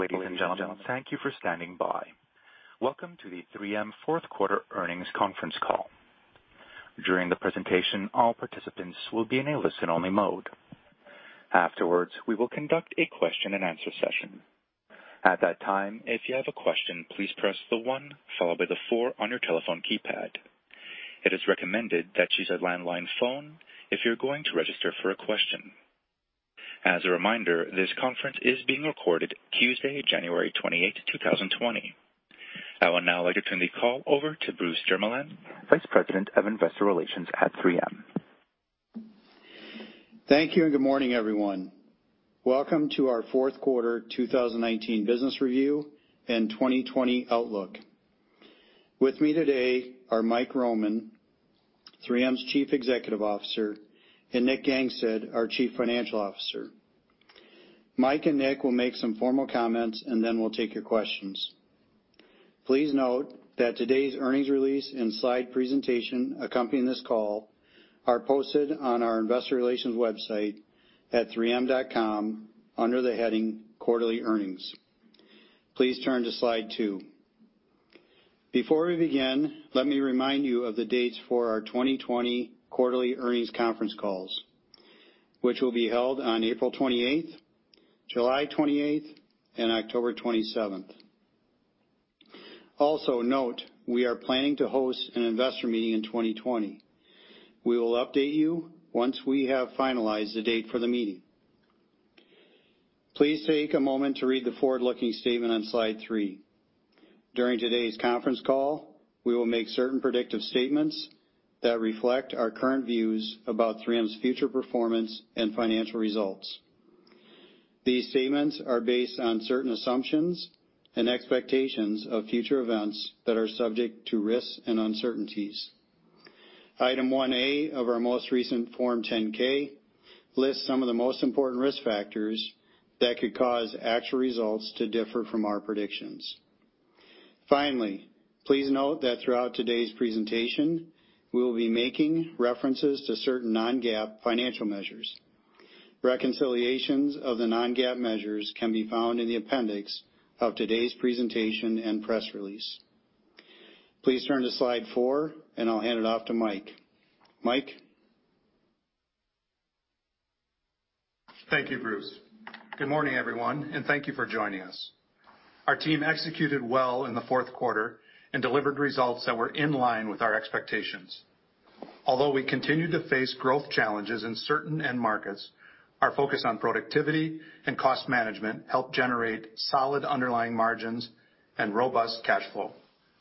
Ladies and gentlemen, thank you for standing by. Welcome to the 3M fourth quarter earnings conference call. During the presentation, all participants will be in a listen-only mode. Afterwards, we will conduct a question-and-answer session. At that time, if you have a question, please press the one followed by the four on your telephone keypad. It is recommended that you use a landline phone if you're going to register for a question. As a reminder, this conference is being recorded Tuesday, January 28th, 2020. I would now like to turn the call over to Bruce Jermeland, Vice President of Investor Relations at 3M. Thank you, good morning, everyone. Welcome to our fourth quarter 2019 business review and 2020 outlook. With me today are Mike Roman, 3M's Chief Executive Officer, and Nick Gangestad, our Chief Financial Officer. Mike and Nick will make some formal comments, then we'll take your questions. Please note that today's earnings release and slide presentation accompanying this call are posted on our investor relations website at 3m.com under the heading Quarterly Earnings. Please turn to slide two. Before we begin, let me remind you of the dates for our 2020 quarterly earnings conference calls, which will be held on April 28th, July 28th, and October 27th. Also note, we are planning to host an investor meeting in 2020. We will update you once we have finalized the date for the meeting. Please take a moment to read the forward-looking statement on slide three. During today's conference call, we will make certain predictive statements that reflect our current views about 3M's future performance and financial results. These statements are based on certain assumptions and expectations of future events that are subject to risks and uncertainties. Item 1A of our most recent Form 10-K lists some of the most important risk factors that could cause actual results to differ from our predictions. Please note that throughout today's presentation, we will be making references to certain non-GAAP financial measures. Reconciliations of the non-GAAP measures can be found in the appendix of today's presentation and press release. Please turn to slide four, I'll hand it off to Mike. Mike? Thank you, Bruce. Good morning, everyone, and thank you for joining us. Our team executed well in the fourth quarter and delivered results that were in line with our expectations. Although we continue to face growth challenges in certain end markets, our focus on productivity and cost management helped generate solid underlying margins and robust cash flow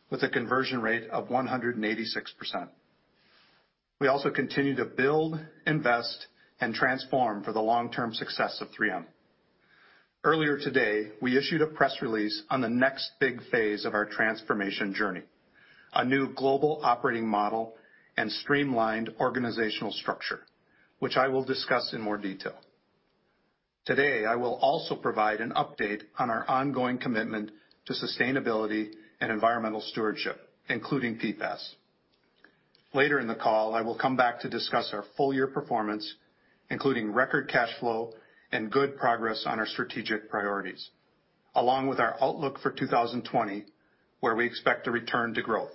with a conversion rate of 186%. We also continue to build, invest, and transform for the long-term success of 3M. Earlier today, we issued a press release on the next big phase of our transformation journey, a new global operating model and streamlined organizational structure, which I will discuss in more detail. Today, I will also provide an update on our ongoing commitment to sustainability and environmental stewardship, including PFAS. Later in the call, I will come back to discuss our full-year performance, including record cash flow and good progress on our strategic priorities, along with our outlook for 2020, where we expect to return to growth.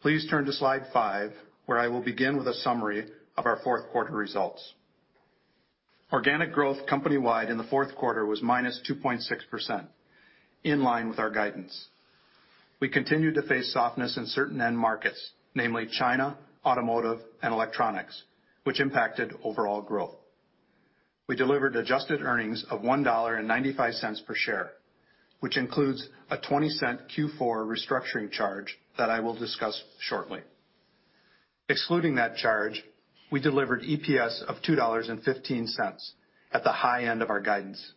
Please turn to slide five, where I will begin with a summary of our fourth quarter results. Organic growth company-wide in the fourth quarter was -2.6%, in line with our guidance. We continued to face softness in certain end markets, namely China, Automotive, and Electronics, which impacted overall growth. We delivered adjusted earnings of $1.95 per share, which includes a $0.20 Q4 restructuring charge that I will discuss shortly. Excluding that charge, we delivered EPS of $2.15 at the high end of our guidance.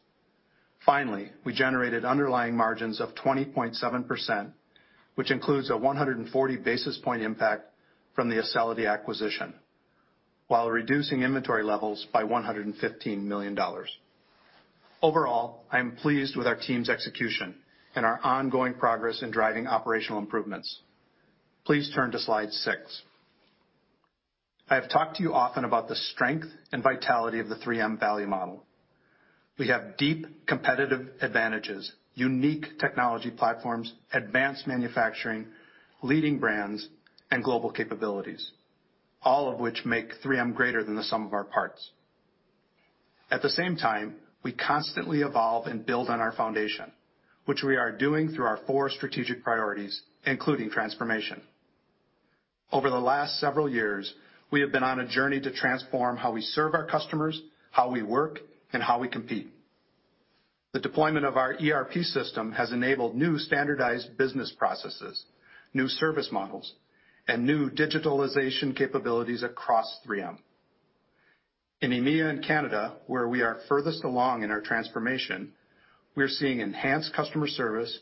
Finally, we generated underlying margins of 20.7%, which includes a 140 basis point impact from the Acelity acquisition, while reducing inventory levels by $115 million. Overall, I am pleased with our team's execution and our ongoing progress in driving operational improvements. Please turn to slide six. I have talked to you often about the strength and vitality of the 3M value model. We have deep competitive advantages, unique technology platforms, advanced manufacturing, leading brands, and global capabilities, all of which make 3M greater than the sum of our parts. At the same time, we constantly evolve and build on our foundation, which we are doing through our four strategic priorities, including transformation. Over the last several years, we have been on a journey to transform how we serve our customers, how we work, and how we compete. The deployment of our ERP system has enabled new standardized business processes, new service models, and new digitalization capabilities across 3M. In EMEA and Canada, where we are furthest along in our transformation, we are seeing enhanced customer service,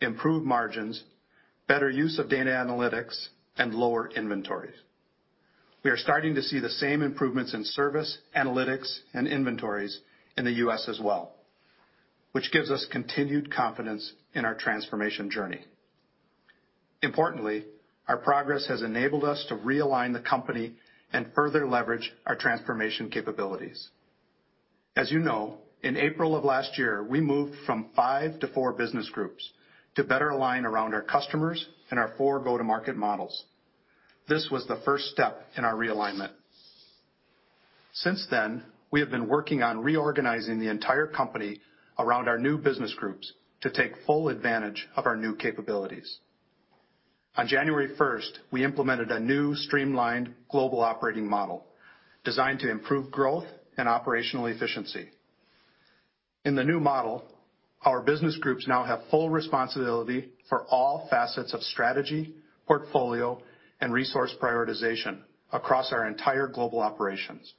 improved margins, better use of data analytics, and lower inventories. We are starting to see the same improvements in service, analytics, and inventories in the U.S. as well, which gives us continued confidence in our transformation journey. Importantly, our progress has enabled us to realign the company and further leverage our transformation capabilities. As you know, in April of last year, we moved from five to four business groups to better align around our customers and our four go-to-market models. This was the first step in our realignment. Since then, we have been working on reorganizing the entire company around our new business groups to take full advantage of our new capabilities. On January 1st, we implemented a new streamlined global operating model designed to improve growth and operational efficiency. In the new model, our business groups now have full responsibility for all facets of strategy, portfolio, and resource prioritization across our entire global operations.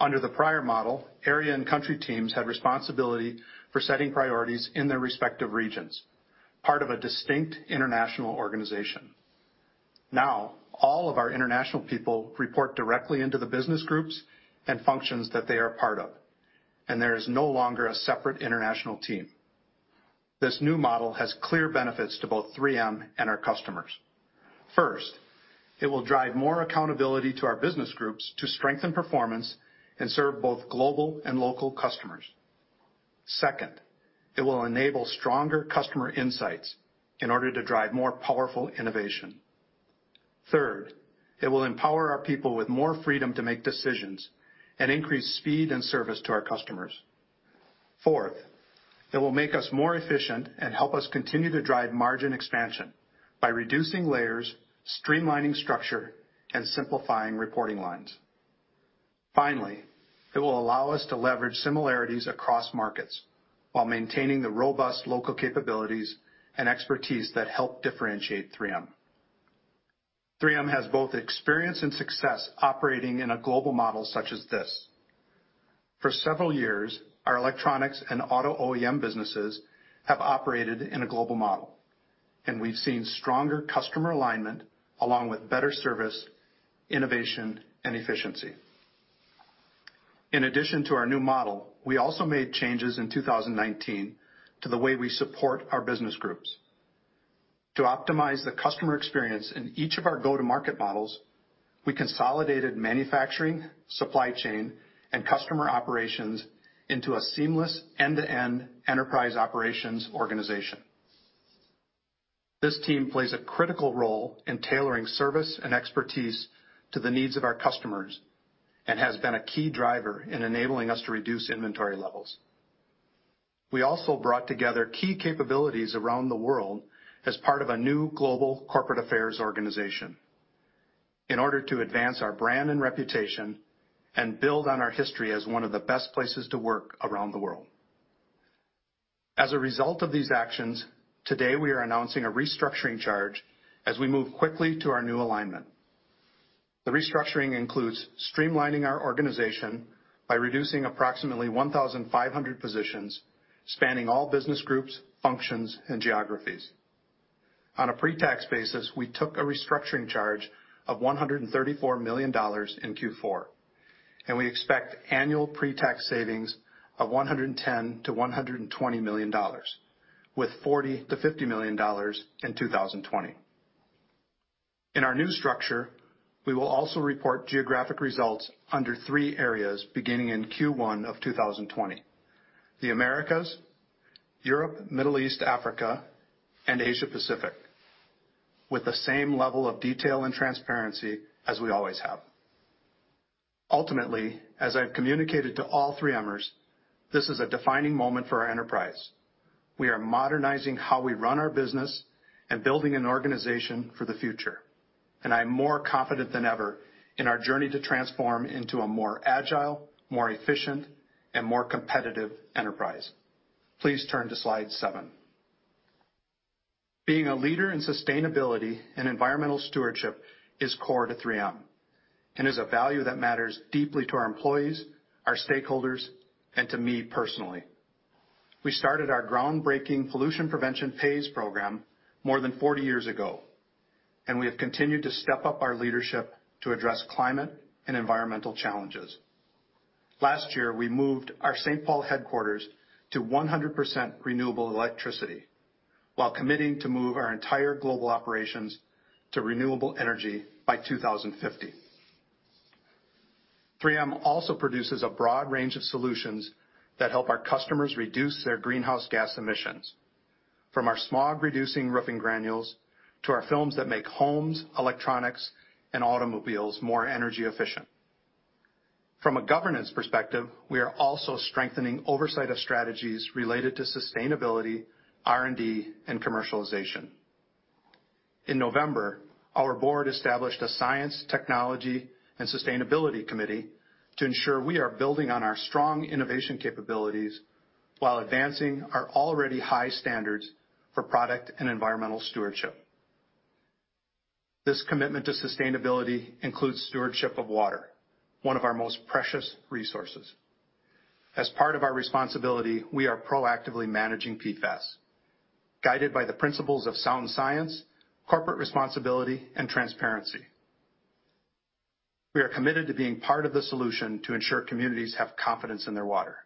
Under the prior model, area and country teams had responsibility for setting priorities in their respective regions, part of a distinct international organization. Now, all of our international people report directly into the business groups and functions that they are part of, and there is no longer a separate international team. This new model has clear benefits to both 3M and our customers. First, it will drive more accountability to our business groups to strengthen performance and serve both global and local customers. Second, it will enable stronger customer insights in order to drive more powerful innovation. Third, it will empower our people with more freedom to make decisions and increase speed and service to our customers. Fourth, it will make us more efficient and help us continue to drive margin expansion by reducing layers, streamlining structure, and simplifying reporting lines. Finally, it will allow us to leverage similarities across markets while maintaining the robust local capabilities and expertise that help differentiate 3M. 3M has both experience and success operating in a global model such as this. For several years, our Electronics and Auto OEM businesses have operated in a global model, and we've seen stronger customer alignment along with better service, innovation, and efficiency. In addition to our new model, we also made changes in 2019 to the way we support our business groups. To optimize the customer experience in each of our go-to-market models, we consolidated manufacturing, supply chain, and customer operations into a seamless end-to-end enterprise operations organization. This team plays a critical role in tailoring service and expertise to the needs of our customers and has been a key driver in enabling us to reduce inventory levels. We also brought together key capabilities around the world as part of a new global corporate affairs organization in order to advance our brand and reputation and build on our history as one of the best places to work around the world. As a result of these actions, today we are announcing a restructuring charge as we move quickly to our new alignment. The restructuring includes streamlining our organization by reducing approximately 1,500 positions, spanning all business groups, functions, and geographies. On a pre-tax basis, we took a restructuring charge of $134 million in Q4, and we expect annual pre-tax savings of $110 million-$120 million, with $40 million-$50 million in 2020. In our new structure, we will also report geographic results under three areas beginning in Q1 of 2020. The Americas, Europe, Middle East, Africa, and Asia Pacific, with the same level of detail and transparency as we always have. Ultimately, as I've communicated to all 3Mers, this is a defining moment for our enterprise. We are modernizing how we run our business and building an organization for the future. I'm more confident than ever in our journey to transform into a more agile, more efficient, and more competitive enterprise. Please turn to slide seven. Being a leader in sustainability and environmental stewardship is core to 3M and is a value that matters deeply to our employees, our stakeholders, and to me personally. We started our groundbreaking Pollution Prevention Pays program more than 40 years ago. We have continued to step up our leadership to address climate and environmental challenges. Last year, we moved our St. Paul headquarters to 100% renewable electricity while committing to move our entire global operations to renewable energy by 2050. 3M also produces a broad range of solutions that help our customers reduce their greenhouse gas emissions, from our Smog-reducing Granules to our films that make homes, electronics, and automobiles more energy efficient. From a governance perspective, we are also strengthening oversight of strategies related to sustainability, R&D, and commercialization. In November, our Board established a science, technology, and sustainability committee to ensure we are building on our strong innovation capabilities while advancing our already high standards for product and environmental stewardship. This commitment to sustainability includes stewardship of water, one of our most precious resources. As part of our responsibility, we are proactively managing PFAS, guided by the principles of sound science, corporate responsibility, and transparency. We are committed to being part of the solution to ensure communities have confidence in their water.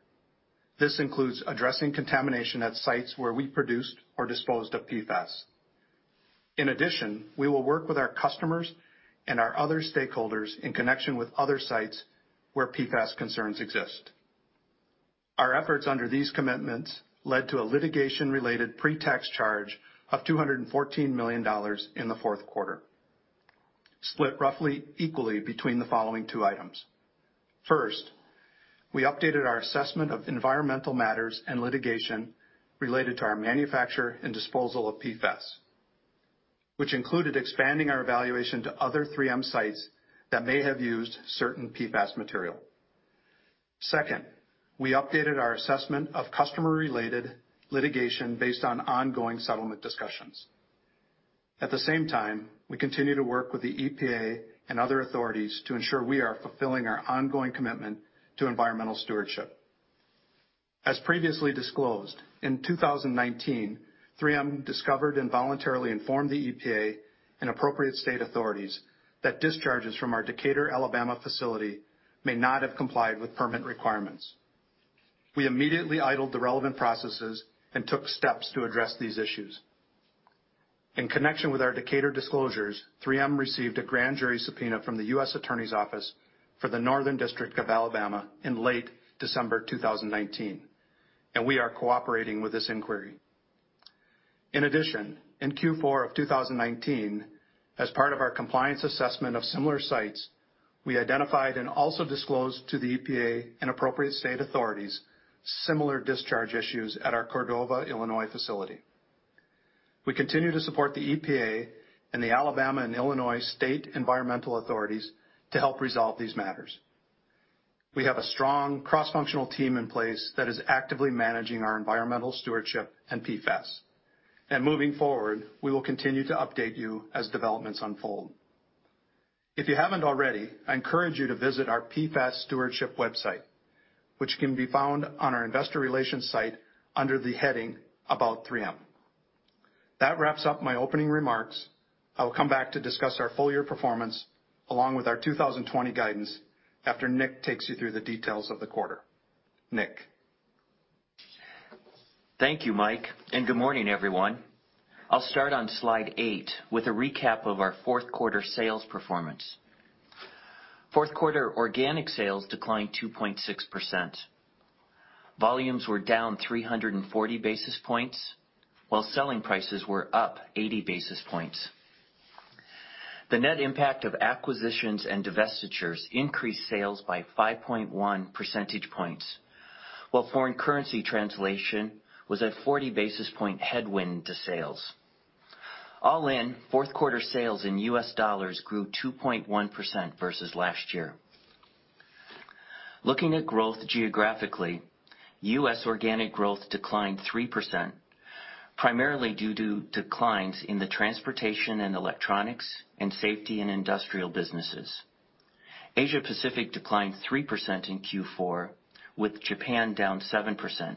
This includes addressing contamination at sites where we produced or disposed of PFAS. In addition, we will work with our customers and our other stakeholders in connection with other sites where PFAS concerns exist. Our efforts under these commitments led to a litigation-related pre-tax charge of $214 million in the fourth quarter, split roughly equally between the following two items. First, we updated our assessment of environmental matters and litigation related to our manufacture and disposal of PFAS, which included expanding our evaluation to other 3M sites that may have used certain PFAS material. Second, we updated our assessment of customer-related litigation based on ongoing settlement discussions. At the same time, we continue to work with the EPA and other authorities to ensure we are fulfilling our ongoing commitment to environmental stewardship. As previously disclosed, in 2019, 3M discovered and voluntarily informed the EPA and appropriate state authorities that discharges from our Decatur, Alabama facility may not have complied with permit requirements. We immediately idled the relevant processes and took steps to address these issues. In connection with our Decatur disclosures, 3M received a grand jury subpoena from the U.S. Attorney's Office for the Northern District of Alabama in late December 2019, and we are cooperating with this inquiry. In addition, in Q4 of 2019, as part of our compliance assessment of similar sites, we identified and also disclosed to the EPA and appropriate state authorities similar discharge issues at our Cordova, Illinois facility. We continue to support the EPA and the Alabama and Illinois state environmental authorities to help resolve these matters. We have a strong cross-functional team in place that is actively managing our environmental stewardship and PFAS. Moving forward, we will continue to update you as developments unfold. If you haven't already, I encourage you to visit our PFAS stewardship website, which can be found on our investor relations site under the heading About 3M. That wraps up my opening remarks. I will come back to discuss our full-year performance, along with our 2020 guidance after Nick takes you through the details of the quarter. Nick. Thank you, Mike, and good morning, everyone. I'll start on slide eight with a recap of our fourth quarter sales performance. Fourth quarter organic sales declined 2.6%. Volumes were down 340 basis points, while selling prices were up 80 basis points. The net impact of acquisitions and divestitures increased sales by 5.1 percentage points, while foreign currency translation was a 40 basis point headwind to sales. All in, fourth quarter sales in U.S. dollars grew 2.1% versus last year. Looking at growth geographically, U.S. organic growth declined 3%, primarily due to declines in the Transportation & Electronics and Safety & Industrial businesses. Asia Pacific declined 3% in Q4, with Japan down 7%,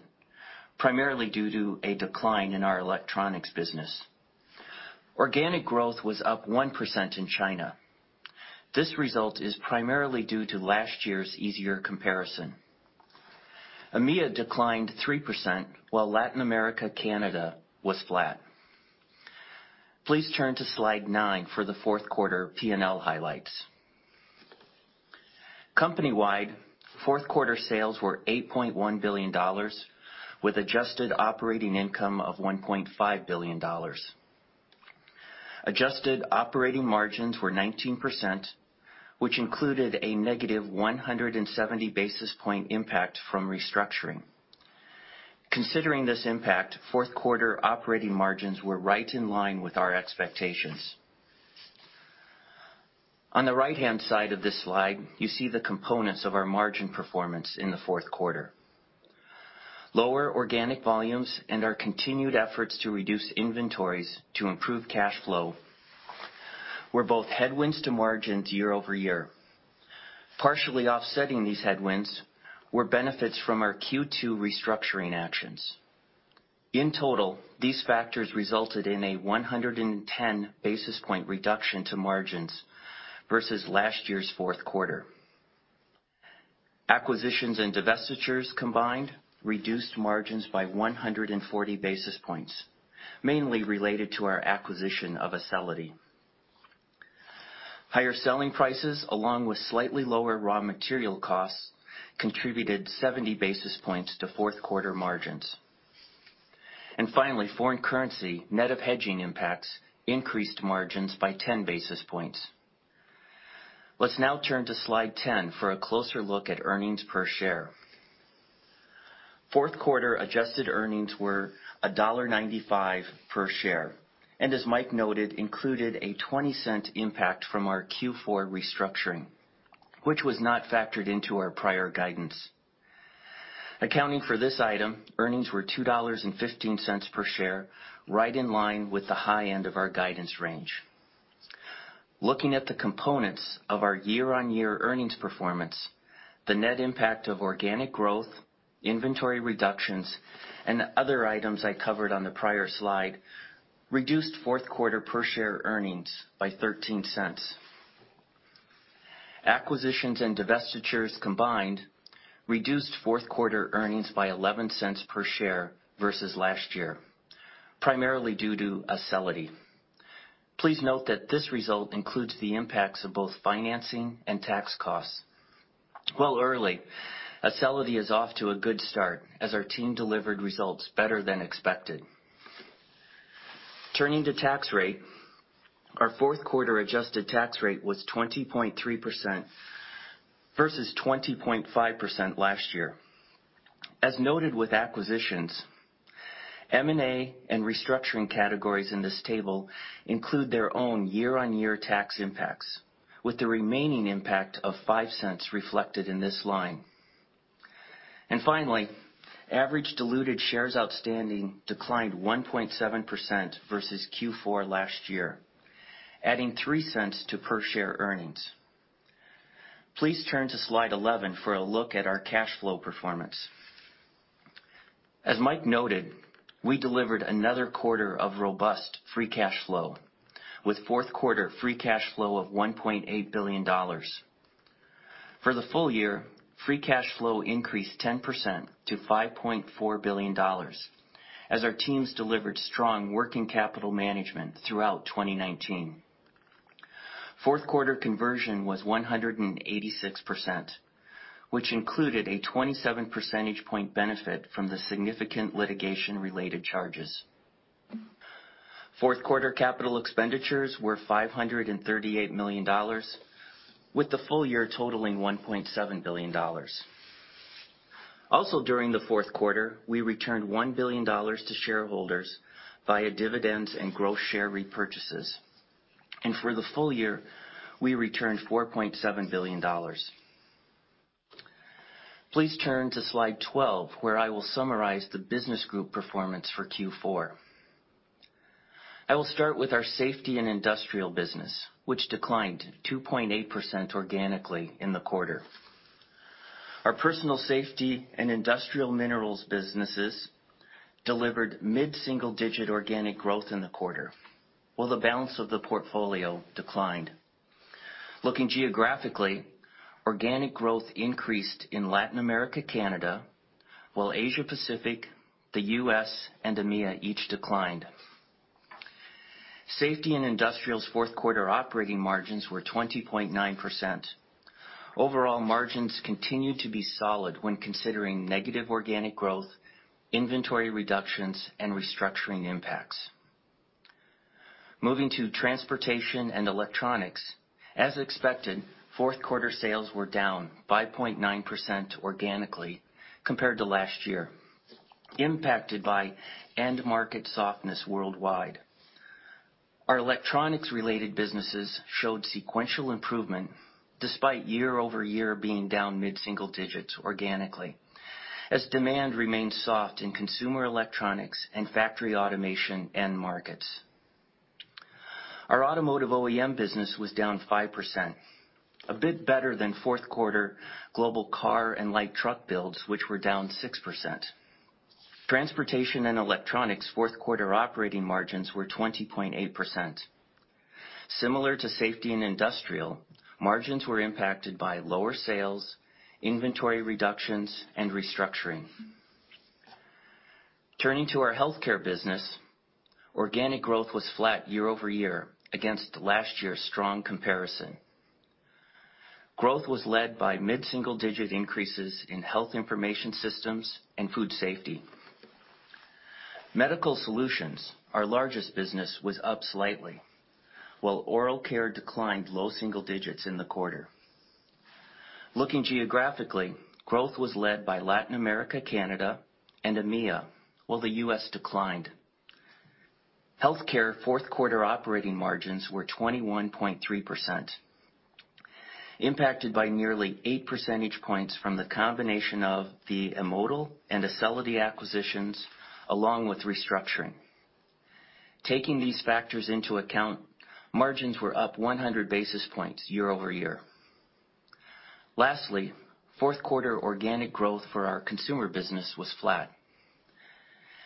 primarily due to a decline in our Electronics business. Organic growth was up 1% in China. This result is primarily due to last year's easier comparison. EMEA declined 3%, while Latin America, Canada was flat. Please turn to slide nine for the fourth quarter P&L highlights. Company-wide, fourth quarter sales were $8.1 billion, with adjusted operating income of $1.5 billion. Adjusted operating margins were 19%, which included a negative 170 basis point impact from restructuring. Considering this impact, fourth quarter operating margins were right in line with our expectations. On the right-hand side of this slide, you see the components of our margin performance in the fourth quarter. Lower organic volumes and our continued efforts to reduce inventories to improve cash flow were both headwinds to margins year-over-year. Partially offsetting these headwinds were benefits from our Q2 restructuring actions. In total, these factors resulted in a 110 basis point reduction to margins versus last year's fourth quarter. Acquisitions and divestitures combined reduced margins by 140 basis points, mainly related to our acquisition of Acelity. Higher selling prices, along with slightly lower raw material costs, contributed 70 basis points to fourth quarter margins. Finally, foreign currency net of hedging impacts increased margins by 10 basis points. Let's now turn to slide 10 for a closer look at earnings per share. Fourth quarter adjusted earnings were $1.95 per share, and as Mike noted, included a $0.20 impact from our Q4 restructuring, which was not factored into our prior guidance. Accounting for this item, earnings were $2.15 per share, right in line with the high end of our guidance range. Looking at the components of our year-on-year earnings performance. The net impact of organic growth, inventory reductions, and other items I covered on the prior slide reduced fourth quarter per share earnings by $0.13. Acquisitions and divestitures combined reduced fourth quarter earnings by $0.11 per share versus last year, primarily due to Acelity. Please note that this result includes the impacts of both financing and tax costs. While early, Acelity is off to a good start as our team delivered results better than expected. Turning to tax rate, our fourth quarter adjusted tax rate was 20.3% versus 20.5% last year. As noted with acquisitions, M&A and restructuring categories in this table include their own year-on-year tax impacts, with the remaining impact of $0.05 reflected in this line. Finally, average diluted shares outstanding declined 1.7% versus Q4 last year, adding $0.03 to per share earnings. Please turn to slide 11 for a look at our cash flow performance. As Mike noted, we delivered another quarter of robust free cash flow, with fourth quarter free cash flow of $1.8 billion. For the full year, free cash flow increased 10% to $5.4 billion as our teams delivered strong working capital management throughout 2019. Fourth quarter conversion was 186%, which included a 27 percentage point benefit from the significant litigation-related charges. Fourth quarter capital expenditures were $538 million, with the full year totaling $1.7 billion. Also during the fourth quarter, we returned $1 billion to shareholders via dividends and gross share repurchases. For the full year, we returned $4.7 billion. Please turn to slide 12 where I will summarize the business group performance for Q4. I will start with our Safety & Industrial business, which declined 2.8% organically in the quarter. Our Personal Safety & Industrial Minerals businesses delivered mid-single-digit organic growth in the quarter, while the balance of the portfolio declined. Looking geographically, organic growth increased in Latin America, Canada, while Asia Pacific, the U.S., and EMEA each declined. Safety & Industrial's fourth quarter operating margins were 20.9%. Overall margins continued to be solid when considering negative organic growth, inventory reductions, and restructuring impacts. Moving to Transportation & Electronics, as expected, fourth quarter sales were down 5.9% organically compared to last year, impacted by end market softness worldwide. Our Electronics-related businesses showed sequential improvement despite year-over-year being down mid-single digits organically as demand remained soft in Consumer Electronics and Factory Automation end markets. Our Automotive OEM business was down 5%, a bit better than fourth quarter global car and light truck builds, which were down 6%. Transportation & Electronics fourth quarter operating margins were 20.8%. Similar to Safety & Industrial, margins were impacted by lower sales, inventory reductions, and restructuring. Turning to our Health Care business, organic growth was flat year-over-year against last year's strong comparison. Growth was led by mid-single-digit increases in Health Information Systems and Food Safety. Medical Solutions, our largest business, was up slightly, while Oral Care declined low single digits in the quarter. Looking geographically, growth was led by Latin America, Canada, and EMEA, while the U.S. declined. Health Care fourth quarter operating margins were 21.3%, impacted by nearly eight percentage points from the combination of the M*Modal and Acelity acquisitions, along with restructuring. Taking these factors into account, margins were up 100 basis points year-over-year. Lastly, fourth quarter organic growth for our Consumer business was flat.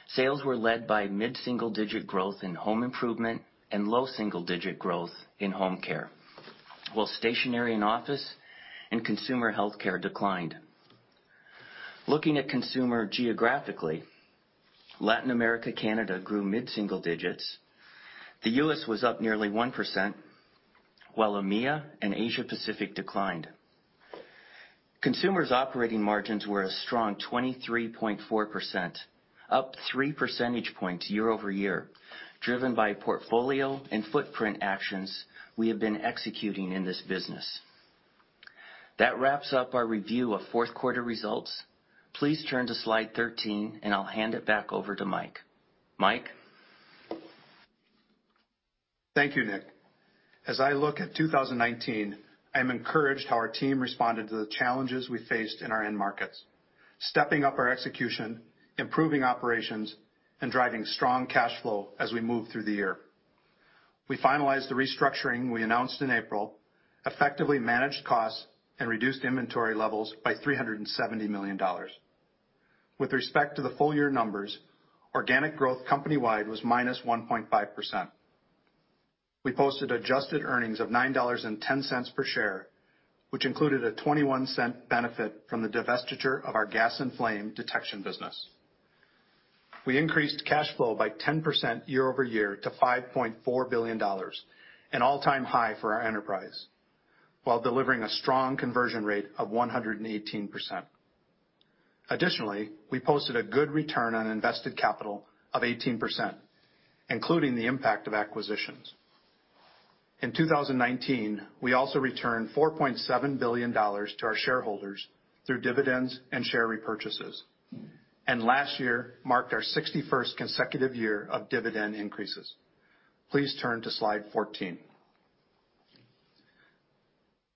Sales were led by mid-single-digit growth in Home Improvement and low single-digit growth in Home Care, while stationery and office and Consumer Health Care declined. Looking at Consumer geographically, Latin America, Canada grew mid-single digits. The U.S. was up nearly 1%, while EMEA and Asia Pacific declined. Consumer operating margins were a strong 23.4%, up three percentage points year-over-year, driven by portfolio and footprint actions we have been executing in this business. That wraps up our review of fourth quarter results. Please turn to slide 13 and I'll hand it back over to Mike. Mike? Thank you, Nick. As I look at 2019, I'm encouraged how our team responded to the challenges we faced in our end markets, stepping up our execution, improving operations, and driving strong cash flow as we moved through the year. We finalized the restructuring we announced in April, effectively managed costs and reduced inventory levels by $370 million. With respect to the full year numbers, organic growth company-wide was minus 1.5%. We posted adjusted earnings of $9.10 per share, which included a $0.21 benefit from the divestiture of our gas and flame detection business. We increased cash flow by 10% year-over-year to $5.4 billion, an all-time high for our enterprise, while delivering a strong conversion rate of 118%. Additionally, we posted a good return on invested capital of 18%, including the impact of acquisitions. In 2019, we also returned $4.7 billion to our shareholders through dividends and share repurchases. Last year marked our 61st consecutive year of dividend increases. Please turn to slide 14.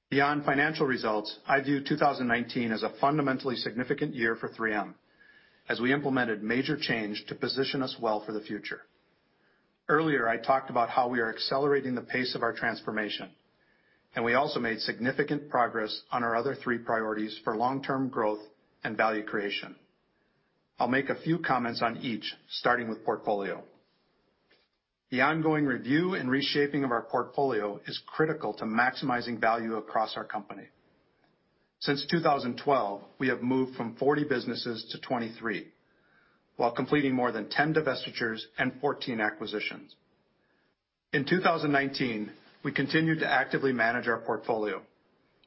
Beyond financial results, I view 2019 as a fundamentally significant year for 3M, as we implemented major change to position us well for the future. Earlier, I talked about how we are accelerating the pace of our transformation. We also made significant progress on our other three priorities for long-term growth and value creation. I'll make a few comments on each, starting with portfolio. The ongoing review and reshaping of our portfolio is critical to maximizing value across our company. Since 2012, we have moved from 40 businesses to 23 while completing more than 10 divestitures and 14 acquisitions. In 2019, we continued to actively manage our portfolio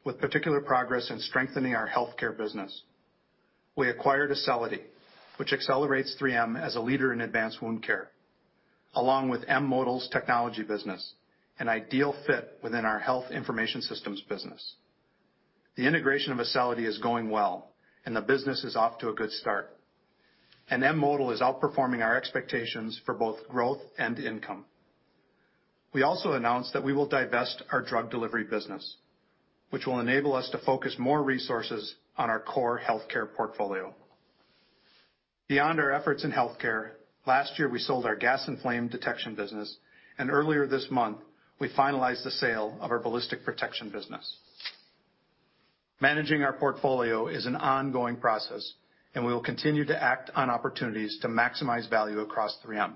with particular progress in strengthening our Health Care business. We acquired Acelity, which accelerates 3M as a leader in advanced wound care, along with M*Modal's technology business, an ideal fit within our Health Information Systems business. The integration of Acelity is going well, and the business is off to a good start. M*Modal is outperforming our expectations for both growth and income. We also announced that we will divest our drug delivery business, which will enable us to focus more resources on our core Health Care portfolio. Beyond our efforts in Health Care, last year, we sold our gas and flame detection business, and earlier this month, we finalized the sale of our ballistic protection business. Managing our portfolio is an ongoing process, and we will continue to act on opportunities to maximize value across 3M.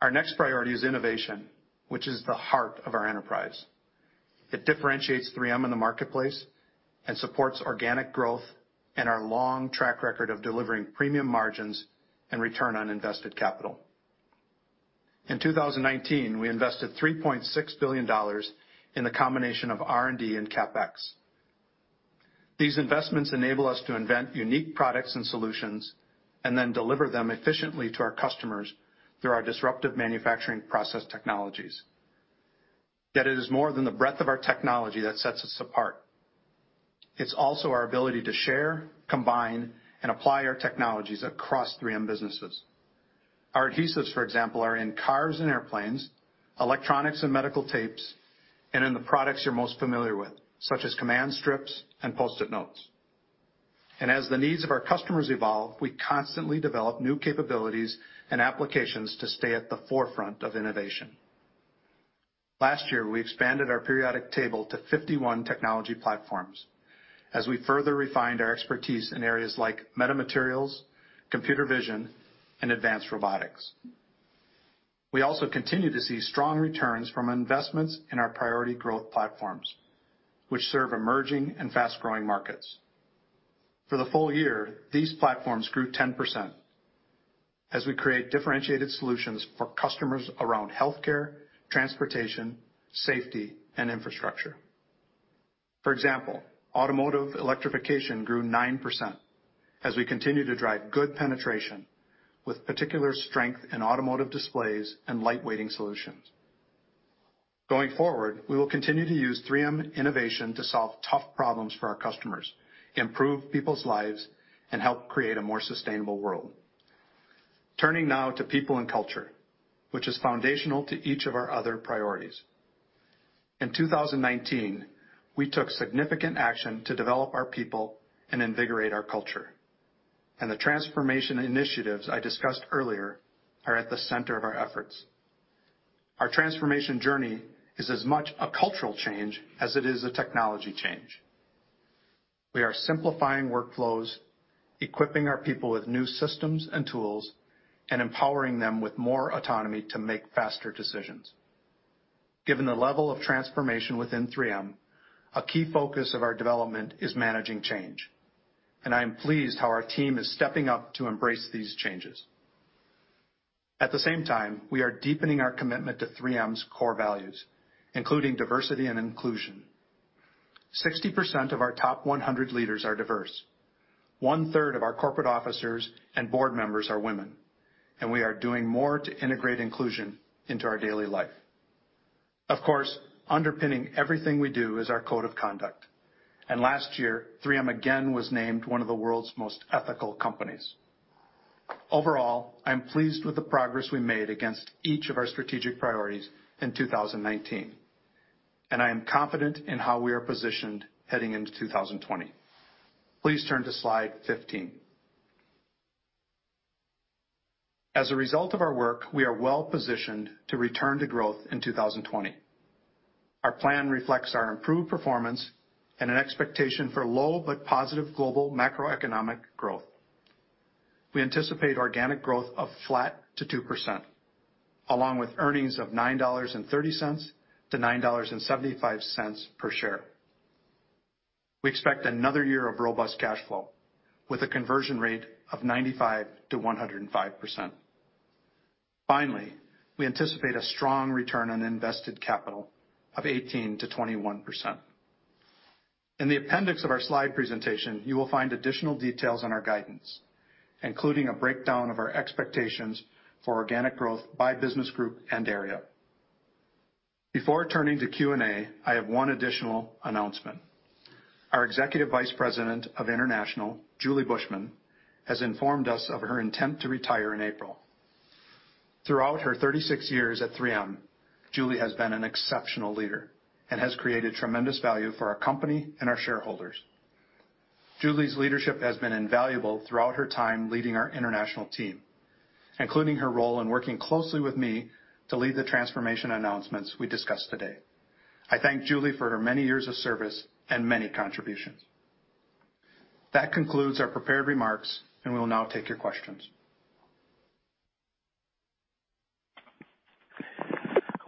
Our next priority is innovation, which is the heart of our enterprise. It differentiates 3M in the marketplace and supports organic growth and our long track record of delivering premium margins and return on invested capital. In 2019, we invested $3.6 billion in the combination of R&D and CapEx. These investments enable us to invent unique products and solutions, and then deliver them efficiently to our customers through our disruptive manufacturing process technologies. Yet it is more than the breadth of our technology that sets us apart. It's also our ability to share, combine, and apply our technologies across 3M businesses. Our adhesives, for example, are in cars and airplanes, electronics and medical tapes, and in the products you're most familiar with, such as Command strips and Post-it Notes. As the needs of our customers evolve, we constantly develop new capabilities and applications to stay at the forefront of innovation. Last year, we expanded our periodic table to 51 technology platforms as we further refined our expertise in areas like metamaterials, computer vision, and advanced robotics. We also continue to see strong returns from investments in our priority growth platforms, which serve emerging and fast-growing markets. For the full year, these platforms grew 10% as we create differentiated solutions for customers around Health Care, Transportation, Safety, and Infrastructure. For example, automotive electrification grew 9% as we continue to drive good penetration with particular strength in automotive displays and lightweighting solutions. Going forward, we will continue to use 3M innovation to solve tough problems for our customers, improve people's lives, and help create a more sustainable world. Turning now to people and culture, which is foundational to each of our other priorities. In 2019, we took significant action to develop our people and invigorate our culture, and the transformation initiatives I discussed earlier are at the center of our efforts. Our transformation journey is as much a cultural change as it is a technology change. We are simplifying workflows, equipping our people with new systems and tools, and empowering them with more autonomy to make faster decisions. Given the level of transformation within 3M, a key focus of our development is managing change, and I am pleased how our team is stepping up to embrace these changes. At the same time, we are deepening our commitment to 3M's core values, including diversity and inclusion. 60% of our top 100 leaders are diverse. One-third of our corporate officers and board members are women, and we are doing more to integrate inclusion into our daily life. Of course, underpinning everything we do is our code of conduct. Last year, 3M again was named one of the world's most ethical companies. Overall, I'm pleased with the progress we made against each of our strategic priorities in 2019, and I am confident in how we are positioned heading into 2020. Please turn to slide 15. As a result of our work, we are well-positioned to return to growth in 2020. Our plan reflects our improved performance and an expectation for low but positive global macroeconomic growth. We anticipate organic growth of flat to 2%, along with earnings of $9.30-$9.75 per share. We expect another year of robust cash flow with a conversion rate of 95%-105%. Finally, we anticipate a strong return on invested capital of 18%-21%. In the appendix of our slide presentation, you will find additional details on our guidance, including a breakdown of our expectations for organic growth by business group and area. Before turning to Q&A, I have one additional announcement. Our Executive Vice President of International, Julie Bushman, has informed us of her intent to retire in April. Throughout her 36 years at 3M, Julie has been an exceptional leader and has created tremendous value for our company and our shareholders. Julie's leadership has been invaluable throughout her time leading our international team, including her role in working closely with me to lead the transformation announcements we discussed today. I thank Julie for her many years of service and many contributions. That concludes our prepared remarks, and we will now take your questions.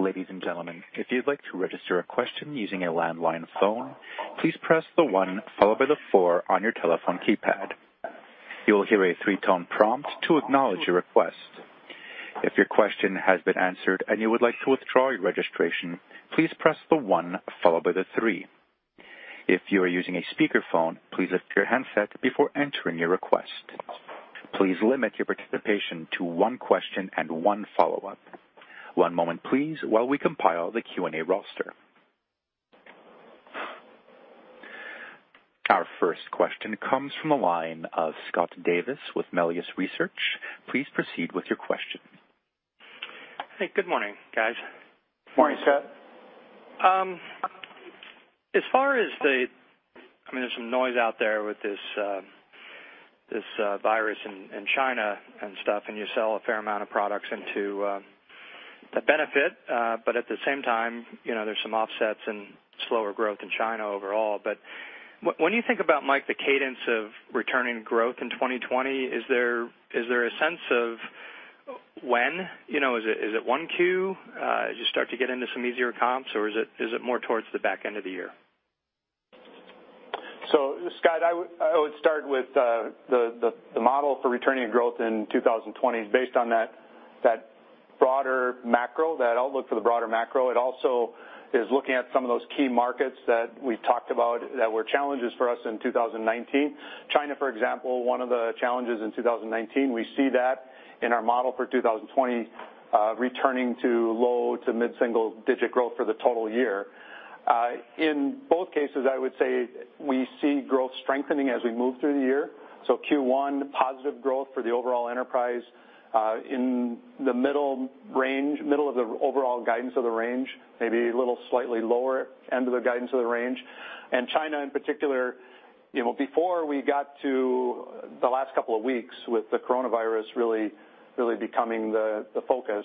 Ladies and gentlemen, if you'd like to register a question using a landline phone, please press the one followed by the four on your telephone keypad. You will hear a three-tone prompt to acknowledge your request. If your question has been answered and you would like to withdraw your registration, please press the one followed by the three. If you are using a speakerphone, please lift your handset before entering your request. Please limit your participation to one question and one follow-up. One moment, please, while we compile the Q&A roster. Our first question comes from the line of Scott Davis with Melius Research. Please proceed with your question. Hey, good morning, guys. Morning, Scott. There's some noise out there with this virus in China and stuff, and you sell a fair amount of products into the benefit. At the same time, there's some offsets and slower growth in China overall. When you think about, Mike, the cadence of returning growth in 2020, is there a sense of when? Is it one Q as you start to get into some easier comps, or is it more towards the back end of the year? Scott, I would start with the model for returning to growth in 2020 is based on that broader macro, that outlook for the broader macro. It also is looking at some of those key markets that we talked about that were challenges for us in 2019. China, for example, one of the challenges in 2019, we see that in our model for 2020, returning to low to mid-single digit growth for the total year. In both cases, I would say we see growth strengthening as we move through the year. Q1, positive growth for the overall enterprise, in the middle range, middle of the overall guidance of the range, maybe a little slightly lower end of the guidance of the range. China in particular, before we got to the last couple of weeks with the coronavirus really becoming the focus,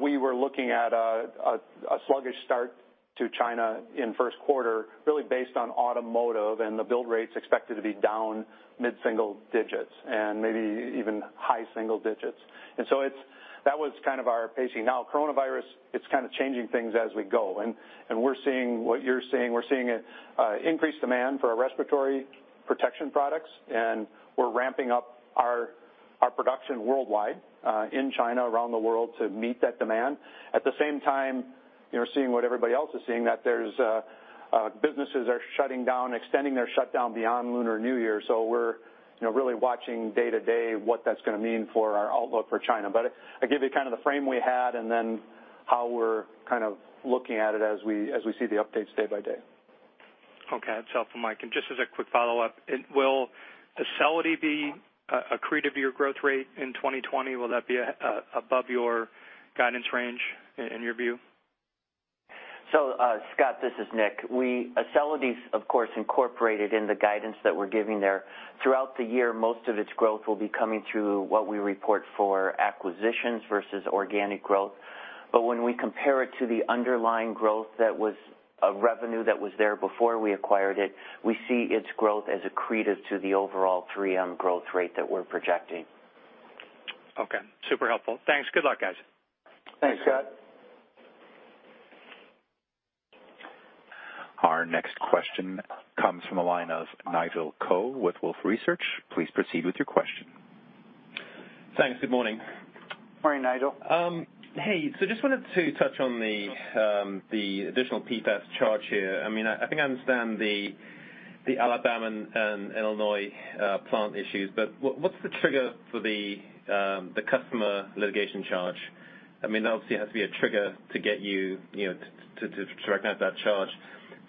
we were looking at a sluggish start to China in first quarter, really based on automotive and the build rates expected to be down mid-single digits and maybe even high single digits. That was kind of our pacing. Coronavirus, it's kind of changing things as we go, and we're seeing what you're seeing. We're seeing increased demand for our respiratory protection products, and we're ramping up our production worldwide, in China, around the world to meet that demand. At the same time, we're seeing what everybody else is seeing, that businesses are shutting down, extending their shutdown beyond Lunar New Year. We're really watching day to day what that's going to mean for our outlook for China. I give you kind of the frame we had and then how we're kind of looking at it as we see the updates day by day. Okay. That's helpful, Mike. Just as a quick follow-up, will Acelity be accretive to your growth rate in 2020? Will that be above your guidance range in your view? Scott, this is Nick. Acelity is, of course, incorporated in the guidance that we're giving there. Throughout the year, most of its growth will be coming through what we report for acquisitions versus organic growth. When we compare it to the underlying growth, that was a revenue that was there before we acquired it, we see its growth as accretive to the overall 3M growth rate that we're projecting. Okay. Super helpful. Thanks. Good luck, guys. Thanks, Scott. Our next question comes from the line of Nigel Coe with Wolfe Research. Please proceed with your question. Thanks. Good morning. Morning, Nigel. Hey, just wanted to touch on the additional PFAS charge here. I think I understand the Alabama and Illinois plant issues, what's the trigger for the customer litigation charge? Obviously, it has to be a trigger to get you to recognize that charge.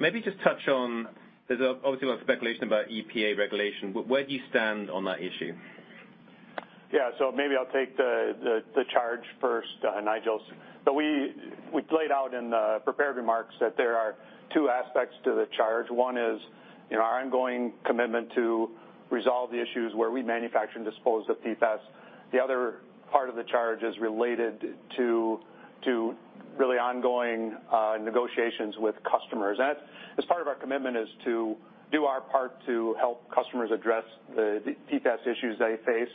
Maybe just touch on, there's obviously a lot of speculation about EPA regulation, where do you stand on that issue? Yeah. Maybe I'll take the charge first, Nigel. We played out in the prepared remarks that there are two aspects to the charge. One is our ongoing commitment to resolve the issues where we manufacture and dispose of PFAS. The other part of the charge is related to really ongoing negotiations with customers. As part of our commitment is to do our part to help customers address the PFAS issues they face.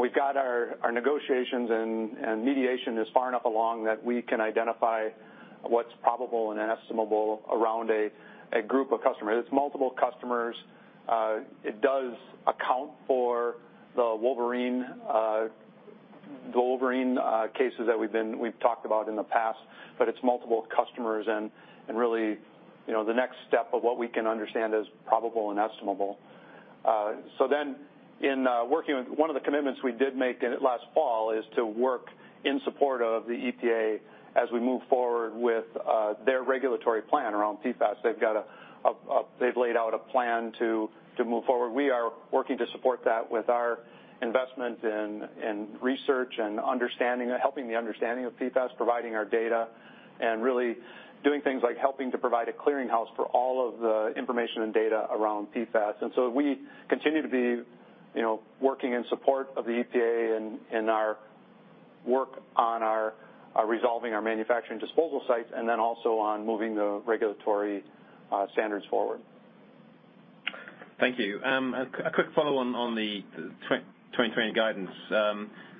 We've got our negotiations and mediation is far enough along that we can identify what's probable and estimable around a group of customers. It's multiple customers. It does account for the Wolverine cases that we've talked about in the past, but it's multiple customers and really, the next step of what we can understand is probable and estimable. One of the commitments we did make last fall is to work in support of the EPA as we move forward with their regulatory plan around PFAS. They've laid out a plan to move forward. We are working to support that with our investment in research and understanding, helping the understanding of PFAS, providing our data, and really doing things like helping to provide a clearing house for all of the information and data around PFAS. We continue to be working in support of the EPA in our work on resolving our manufacturing disposal sites, and then also on moving the regulatory standards forward. Thank you. A quick follow on the 2020 guidance.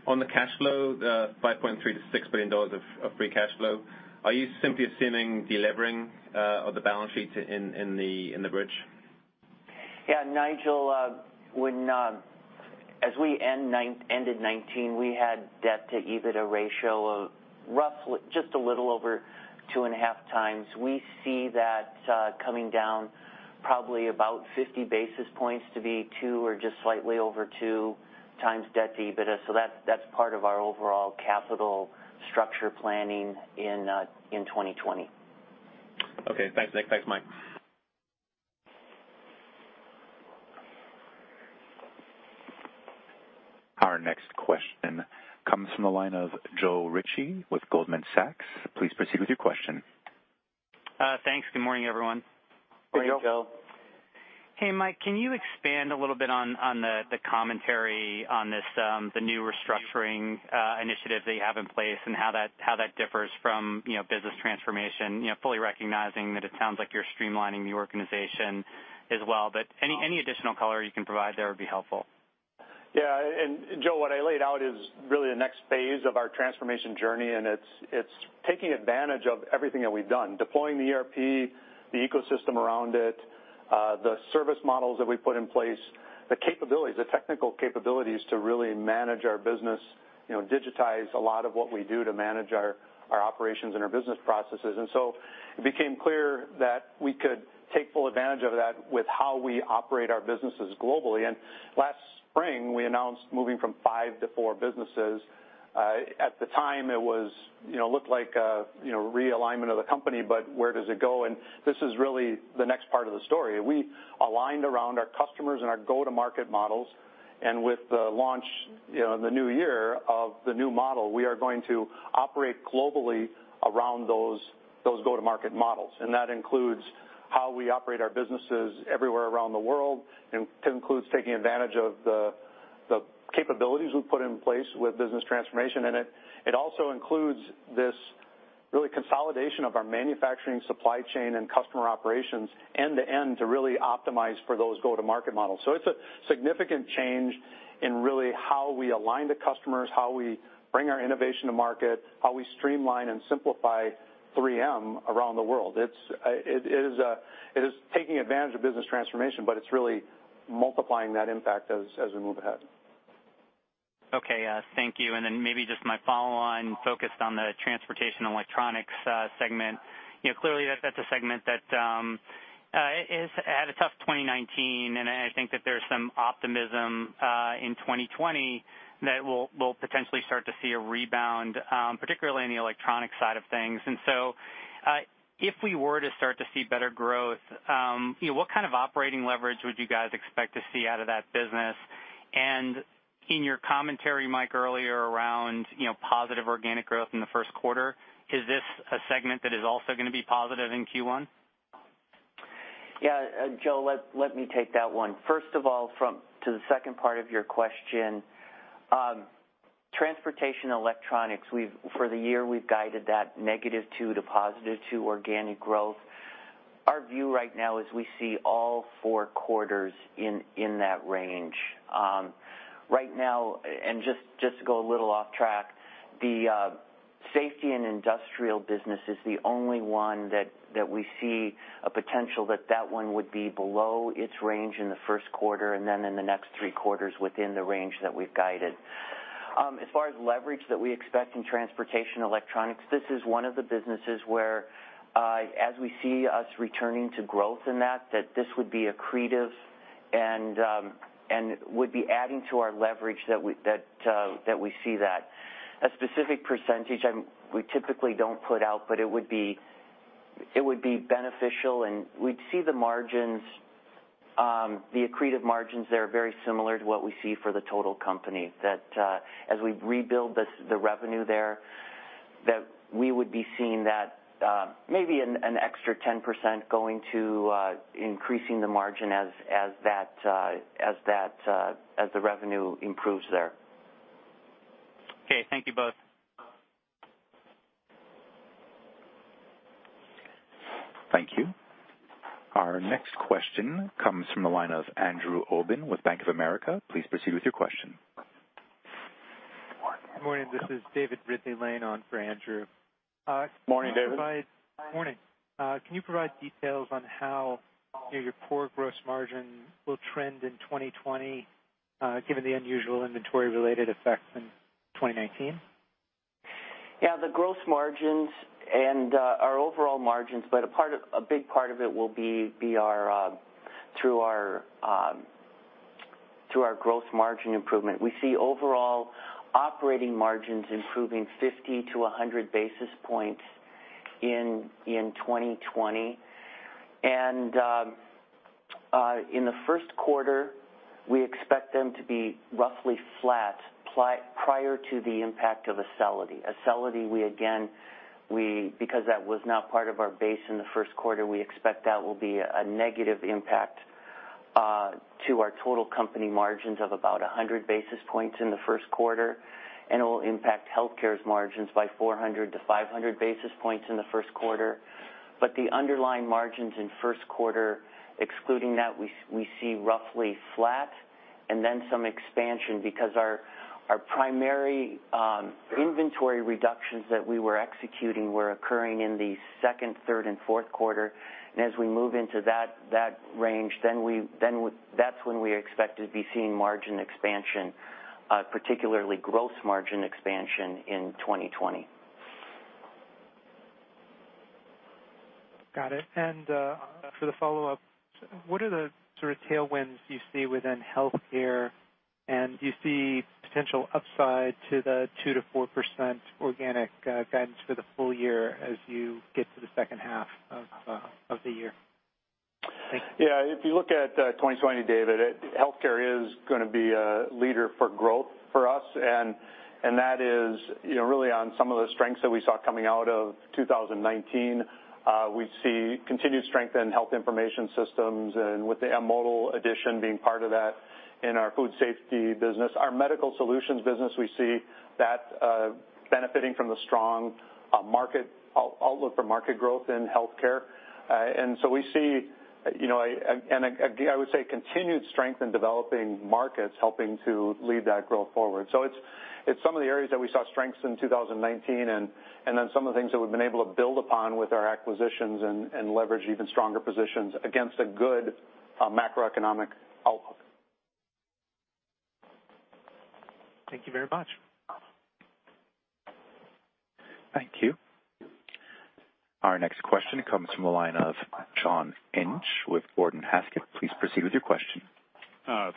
On the cash flow, $5.3 billion-$6 billion of free cash flow. Are you simply assuming delevering of the balance sheet in the bridge? Nigel, as we ended 2019, we had a debt-to-EBITDA ratio of just a little over 2.5x. We see that coming down probably about 50 basis points to be 2x or just slightly over 2x debt to EBITDA. That's part of our overall capital structure planning in 2020. Okay. Thanks, Nick. Thanks, Mike. Our next question comes from the line of Joe Ritchie with Goldman Sachs. Please proceed with your question. Thanks. Good morning, everyone. Hey, Joe. Good morning, Joe. Hey, Mike, can you expand a little bit on the commentary on the new restructuring initiative that you have in place and how that differs from business transformation, fully recognizing that it sounds like you're streamlining the organization as well. Any additional color you can provide there would be helpful. Yeah. Joe, what I laid out is really the next phase of our transformation journey, and it's taking advantage of everything that we've done. Deploying the ERP, the ecosystem around it, the service models that we put in place, the capabilities, the technical capabilities to really manage our business, digitize a lot of what we do to manage our operations and our business processes. It became clear that we could take full advantage of that with how we operate our businesses globally. Last spring, we announced moving from five to four businesses. At the time, it looked like a realignment of the company, but where does it go? This is really the next part of the story. We aligned around our customers and our go-to-market models. With the launch in the new year of the new model, we are going to operate globally around those go-to-market models. That includes how we operate our businesses everywhere around the world, and includes taking advantage of the capabilities we've put in place with business transformation. It also includes this really consolidation of our manufacturing supply chain and customer operations end-to-end to really optimize for those go-to-market models. It's a significant change in really how we align to customers, how we bring our innovation to market, how we streamline and simplify 3M around the world. It is taking advantage of business transformation, it's really multiplying that impact as we move ahead. Okay. Thank you. Then maybe just my follow-on focused on the Transportation & Electronics segment. Clearly, that's a segment that has had a tough 2019, and I think that there's some optimism in 2020 that we'll potentially start to see a rebound, particularly in the Electronics side of things. If we were to start to see better growth, what kind of operating leverage would you guys expect to see out of that business? In your commentary, Mike, earlier around positive organic growth in the first quarter, is this a segment that is also going to be positive in Q1? Yeah, Joe, let me take that one. First of all, to the second part of your question. Transportation & Electronics, for the year, we've guided that -2% to +2% organic growth. Our view right now is we see all four quarters in that range. Right now, just to go a little off track, the Safety & Industrial business is the only one that we see a potential that that one would be below its range in the first quarter, then in the next three quarters within the range that we've guided. As far as leverage that we expect in Transportation & Electronics, this is one of the businesses where as we see us returning to growth in that, this would be accretive and would be adding to our leverage that we see that. A specific percentage, we typically don't put out, but it would be beneficial, and we'd see the accretive margins there are very similar to what we see for the total company. As we rebuild the revenue there that we would be seeing that maybe an extra 10% going to increasing the margin as the revenue improves there. Okay, thank you both. Thank you. Our next question comes from the line of Andrew Obin with Bank of America. Please proceed with your question. Good morning, this is David Ridley-Lane on for Andrew. Morning, David. Morning. Can you provide details on how your core gross margin will trend in 2020, given the unusual inventory-related effects in 2019? Yeah, the gross margins and our overall margins, but a big part of it will be through our gross margin improvement. We see overall operating margins improving 50-100 basis points in 2020. In the first quarter, we expect them to be roughly flat prior to the impact of Acelity. Acelity, because that was now part of our base in the first quarter, we expect that will be a negative impact to our total company margins of about 100 basis points in the first quarter, and it will impact Health Care's margins by 400-500 basis points in the first quarter. The underlying margins in first quarter, excluding that, we see roughly flat and then some expansion because our primary inventory reductions that we were executing were occurring in the second, third, and fourth quarter. As we move into that range, that's when we expect to be seeing margin expansion, particularly gross margin expansion in 2020. Got it. For the follow-up, what are the sort of tailwinds you see within Health Care, and do you see potential upside to the 2%-4% organic guidance for the full year as you get to the second half of the year? Thank you. If you look at 2020, David, Health Care is going to be a leader for growth for us, that is really on some of the strengths that we saw coming out of 2019. We see continued strength in Health Information Systems and with the M*Modal addition being part of that in our Food Safety business. Our Medical Solutions business, we see that benefiting from the strong outlook for market growth in Health Care. Again, I would say continued strength in developing markets helping to lead that growth forward. It's some of the areas that we saw strengths in 2019, some of the things that we've been able to build upon with our acquisitions and leverage even stronger positions against a good macroeconomic outlook. Thank you very much. Thank you. Our next question comes from the line of John Inch with Gordon Haskett. Please proceed with your question.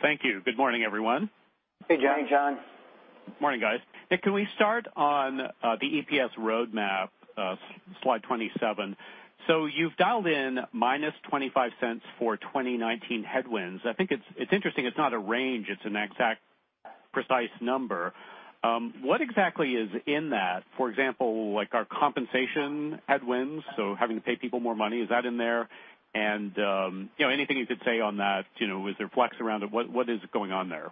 Thank you. Good morning, everyone. Hey, John. Morning, John. Morning, guys. Nick, can we start on the EPS roadmap, slide 27? You've dialed in -$0.25 for 2019 headwinds. I think it's interesting it's not a range; it's an exact precise number. What exactly is in that? For example, like our compensation headwinds, so having to pay people more money, is that in there? Anything you could say on that, is there flex around it? What is going on there?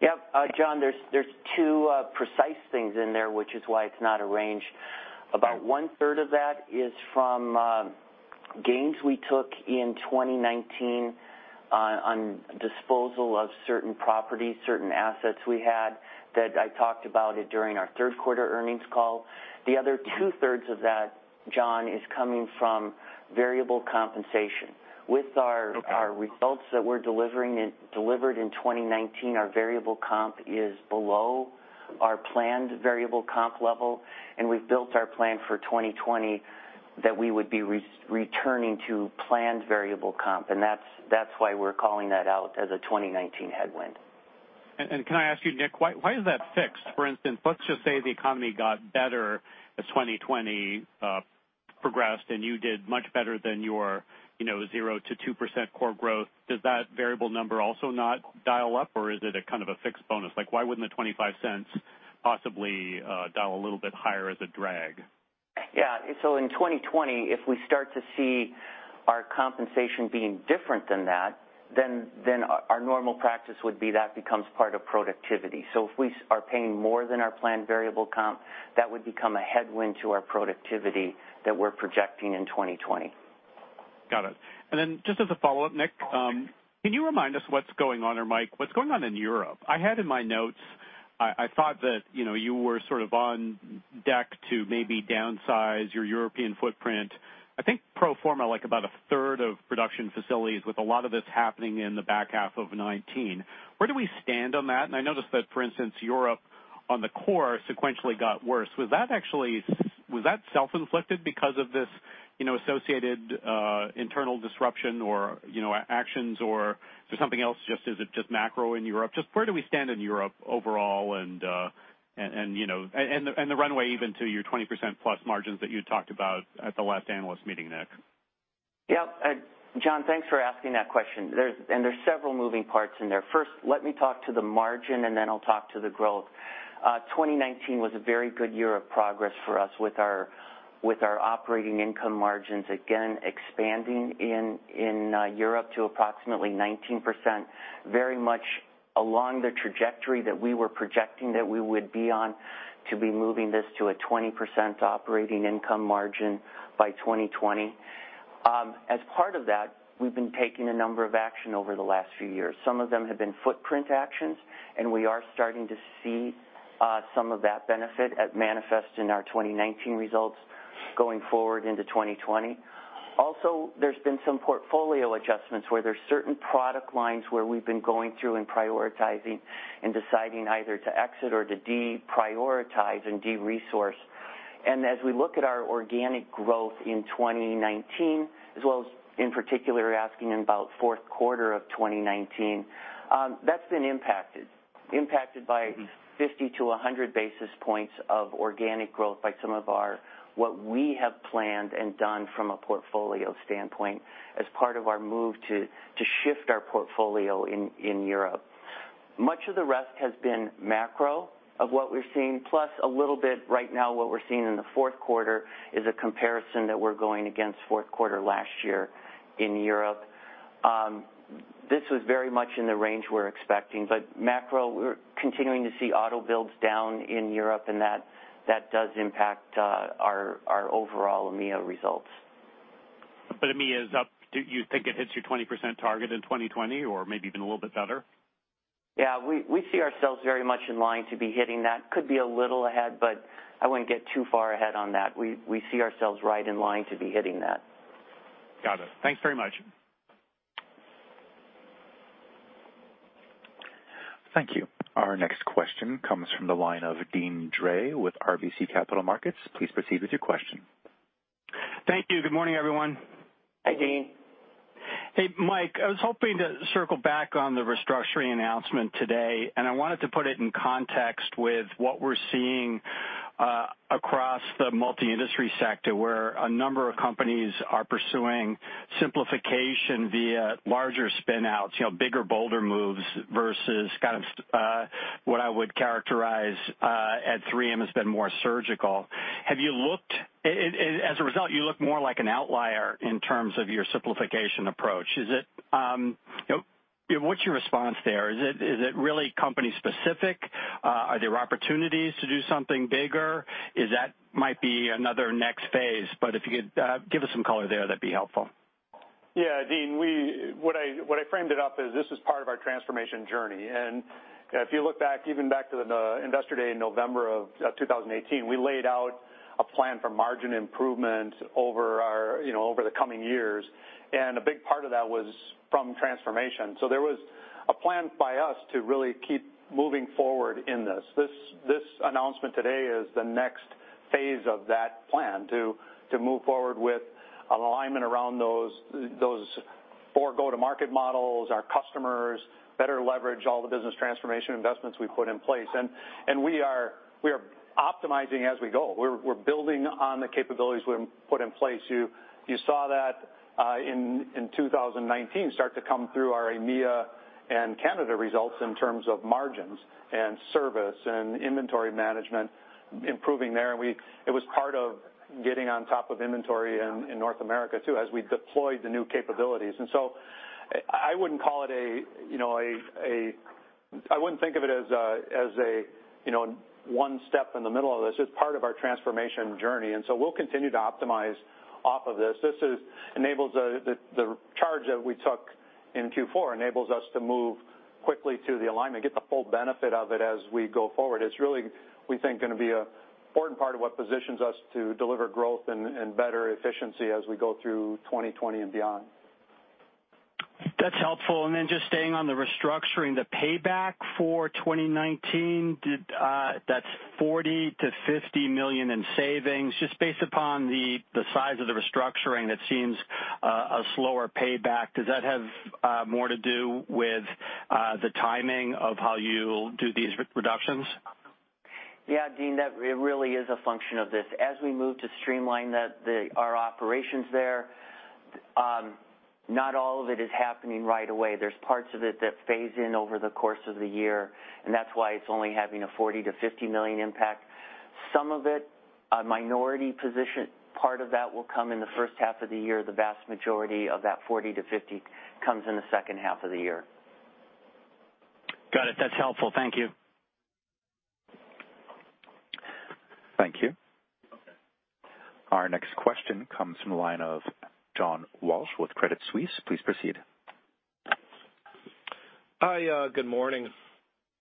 Yep. John, there are two precise things in there, which is why it's not a range. About one-third of that is from gains we took in 2019 on disposal of certain properties, certain assets we had that I talked about during our third quarter earnings call. The other two-thirds of that, John, is coming from variable compensation. Okay. With our results that we delivered in 2019, our variable comp is below our planned variable comp level. We've built our plan for 2020 that we would be returning to planned variable comp. That's why we're calling that out as a 2019 headwind. Can I ask you, Nick, why is that fixed? For instance, let's just say the economy got better as 2020 progressed and you did much better than your 0%-2% core growth. Does that variable number also not dial up, or is it a kind of a fixed bonus? Why wouldn't the $0.25 possibly dial a little bit higher as a drag? Yeah. In 2020, if we start to see our compensation being different than that, then our normal practice would be that becomes part of productivity. If we are paying more than our planned variable comp, that would become a headwind to our productivity that we're projecting in 2020. Got it. Then just as a follow-up, Nick, can you remind us what's going on, or Mike, what's going on in Europe? I had in my notes, I thought that you were sort of on deck to maybe downsize your European footprint. I think pro forma, like about a third of production facilities with a lot of this happening in the back half of 2019. Where do we stand on that? I noticed that, for instance, Europe, on the core, sequentially got worse. Was that self-inflicted because of this associated internal disruption or actions, or is there something else, is it just macro in Europe? Just where do we stand in Europe overall, and the runway even to your 20% plus margins that you talked about at the last analyst meeting, Nick? Yeah. John, thanks for asking that question. There's several moving parts in there. First, let me talk to the margin, then I'll talk to the growth. 2019 was a very good year of progress for us with our operating income margins, again, expanding in Europe to approximately 19%, very much along the trajectory that we were projecting that we would be on to be moving this to a 20% operating income margin by 2020. As part of that, we've been taking a number of actions over the last few years. Some of them have been footprint actions, we are starting to see some of that benefit as manifest in our 2019 results going forward into 2020. Also, there's been some portfolio adjustments where there's certain product lines where we've been going through and prioritizing and deciding either to exit or to deprioritize and deresource. As we look at our organic growth in 2019, as well as in particular, you're asking about fourth quarter of 2019, that's been impacted. Impacted by 50 to 100 basis points of organic growth by some of our, what we have planned and done from a portfolio standpoint as part of our move to shift our portfolio in Europe. Much of the rest has been macro of what we're seeing, plus a little bit right now what we're seeing in the fourth quarter is a comparison that we're going against fourth quarter last year in Europe. This was very much in the range we're expecting. Macro, we're continuing to see auto builds down in Europe, and that does impact our overall EMEA results. EMEA is up. Do you think it hits your 20% target in 2020 or maybe even a little bit better? Yeah. We see ourselves very much in line to be hitting that. Could be a little ahead, but I wouldn't get too far ahead on that. We see ourselves right in line to be hitting that. Got it. Thanks very much. Thank you. Our next question comes from the line of Deane Dray with RBC Capital Markets. Please proceed with your question. Thank you. Good morning, everyone. Hi, Deane. Hey, Mike, I was hoping to circle back on the restructuring announcement today. I wanted to put it in context with what we're seeing across the multi-industry sector, where a number of companies are pursuing simplification via larger spin-outs, bigger, bolder moves versus kind of what I would characterize at 3M has been more surgical. As a result, you look more like an outlier in terms of your simplification approach. What's your response there? Is it really company specific? Are there opportunities to do something bigger? Is that might be another next phase? If you could give us some color there, that'd be helpful. Yeah, Deane, what I framed it up is this is part of our transformation journey, and if you look back, even back to the Investor Day in November of 2018, we laid out a plan for margin improvement over the coming years, and a big part of that was from transformation. There was a plan by us to really keep moving forward in this. This announcement today is the next phase of that plan to move forward with alignment around those four go-to-market models, our customers, better leverage all the business transformation investments we put in place. We are optimizing as we go. We're building on the capabilities we put in place. You saw that in 2019 start to come through our EMEA and Canada results in terms of margins and service and inventory management improving there. It was part of getting on top of inventory in North America too, as we deployed the new capabilities. I wouldn't think of it as one step in the middle of this. It's part of our transformation journey. We'll continue to optimize off of this. The charge that we took in Q4 enables us to move quickly to the alignment, get the full benefit of it as we go forward. It's really, we think, going to be an important part of what positions us to deliver growth and better efficiency as we go through 2020 and beyond. That's helpful. Just staying on the restructuring, the payback for 2019, that's $40 million-$50 million in savings. Just based upon the size of the restructuring, that seems a slower payback. Does that have more to do with the timing of how you do these reductions? Yeah, Deane, that really is a function of this. As we move to streamline our operations there, not all of it is happening right away. There's parts of it that phase in over the course of the year, and that's why it's only having a $40 million-$50 million impact. Some of it, a minority position part of that will come in the first half of the year. The vast majority of that $40 million-$50 million comes in the second half of the year. Got it. That's helpful. Thank you. Thank you. Our next question comes from the line of John Walsh with Credit Suisse. Please proceed. Hi. Good morning.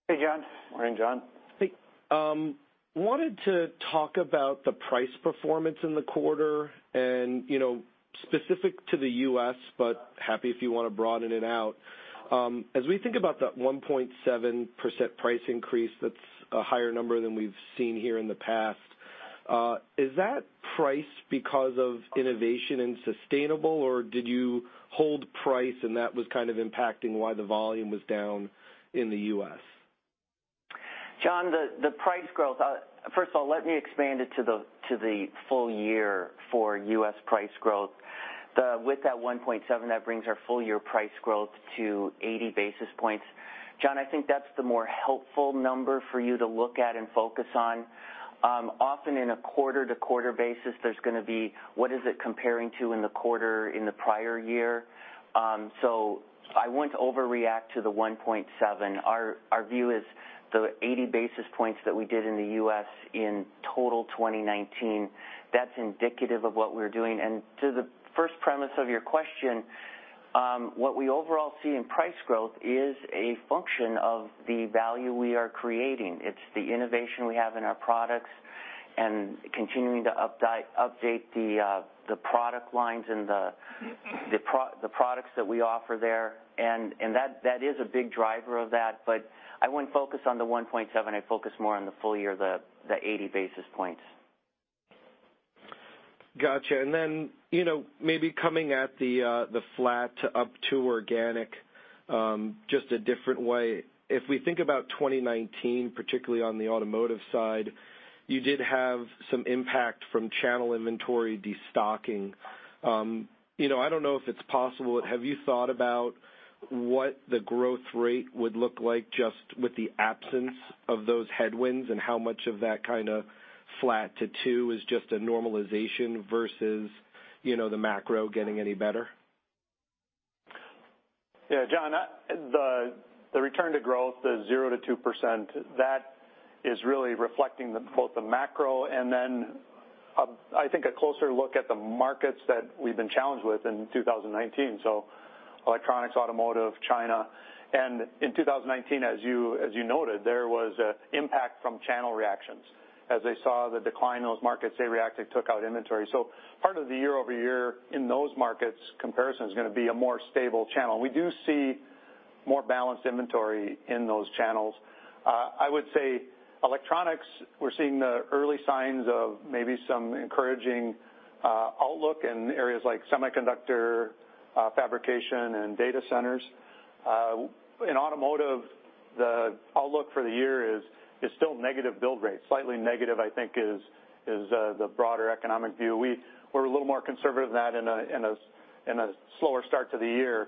Hey, John. Morning, John. Hey. Wanted to talk about the price performance in the quarter and specific to the U.S. Happy if you want to broaden it out. As we think about that 1.7% price increase, that's a higher number than we've seen here in the past. Is that price because of innovation and sustainable, or did you hold price and that was kind of impacting why the volume was down in the U.S.? John, the price growth. First of all, let me expand it to the full year for U.S. price growth. With that 1.7%, that brings our full-year price growth to 80 basis points. John, I think that's the more helpful number for you to look at and focus on. Often in a quarter-to-quarter basis, there's going to be what is it comparing to in the quarter in the prior year. I wouldn't overreact to the 1.7%. Our view is the 80 basis points that we did in the U.S. in total 2019, that's indicative of what we're doing. To the first premise of your question, what we overall see in price growth is a function of the value we are creating. It's the innovation we have in our products, and continuing to update the product lines and the products that we offer there. That is a big driver of that. I wouldn't focus on the 1.7%. I'd focus more on the full year, the 80 basis points. Got you. Maybe coming at the flat up to organic, just a different way. If we think about 2019, particularly on the automotive side, you did have some impact from channel inventory destocking. I don't know if it's possible. Have you thought about what the growth rate would look like just with the absence of those headwinds, and how much of that kind of flat to two is just a normalization versus the macro getting any better? Yeah, John, the return to growth, the 0%-2%, that is really reflecting both the macro and then I think a closer look at the markets that we've been challenged with in 2019. Electronics, automotive, China. In 2019, as you noted, there was impact from channel reactions. As they saw the decline in those markets, they reacted and took out inventory. Part of the year-over-year in those markets comparison is going to be a more stable channel. We do see more balanced inventory in those channels. I would say Electronics, we're seeing the early signs of maybe some encouraging outlook in areas like semiconductor fabrication and data centers. In automotive, the outlook for the year is still negative build rates. Slightly negative, I think is the broader economic view. We're a little more conservative than that in a slower start to the year.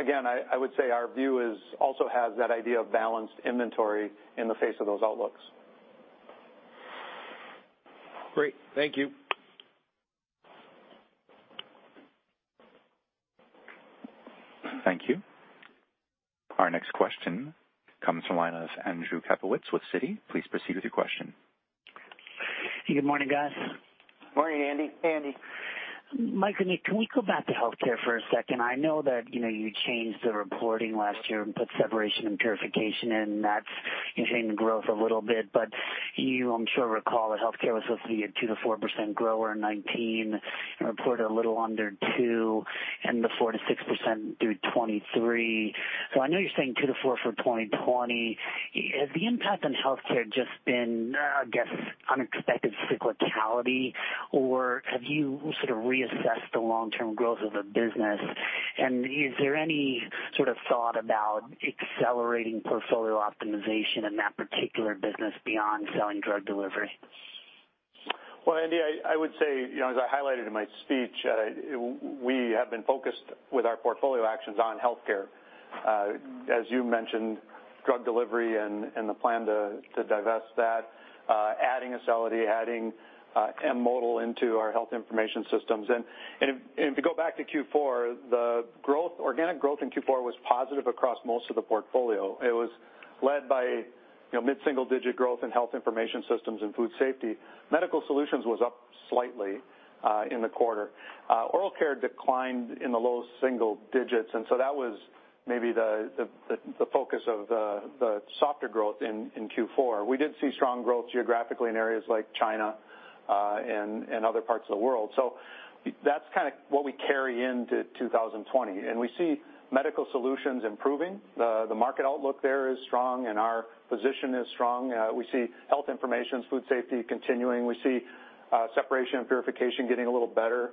Again, I would say our view also has that idea of balanced inventory in the face of those outlooks. Great. Thank you. Thank you. Our next question comes from the line of Andrew Kaplowitz with Citi. Please proceed with your question. Good morning, guys. Morning, Andy. Andy. Mike and Nick, can we go back to Health Care for a second? I know that you changed the reporting last year and put Separation & Purification and that's changing growth a little bit, but you, I'm sure, recall that Health Care was supposed to be a 2%-4% grower in 2019 and reported a little under 2% and the 4%-6% through 2023. I know you're saying 2%-4% for 2020. Has the impact on Health Care just been, I guess, unexpected cyclicality, or have you sort of reassessed the long-term growth of the business? Is there any sort of thought about accelerating portfolio optimization in that particular business beyond selling drug delivery? Well, Andy, I would say, as I highlighted in my speech, we have been focused with our portfolio actions on Health Care. As you mentioned, drug delivery and the plan to divest that, adding Acelity, adding M*Modal into our Health Information Systems. If you go back to Q4, the organic growth in Q4 was positive across most of the portfolio. It was led by mid-single-digit growth in Health Information Systems and Food Safety. Medical Solutions was up slightly in the quarter. Oral Care declined in the low single digits, that was maybe the focus of the softer growth in Q4. We did see strong growth geographically in areas like China and other parts of the world. That's kind of what we carry into 2020, we see Medical Solutions improving. The market outlook there is strong, our position is strong. We see Health Information, Food Safety continuing. We see Separation & Purification getting a little better.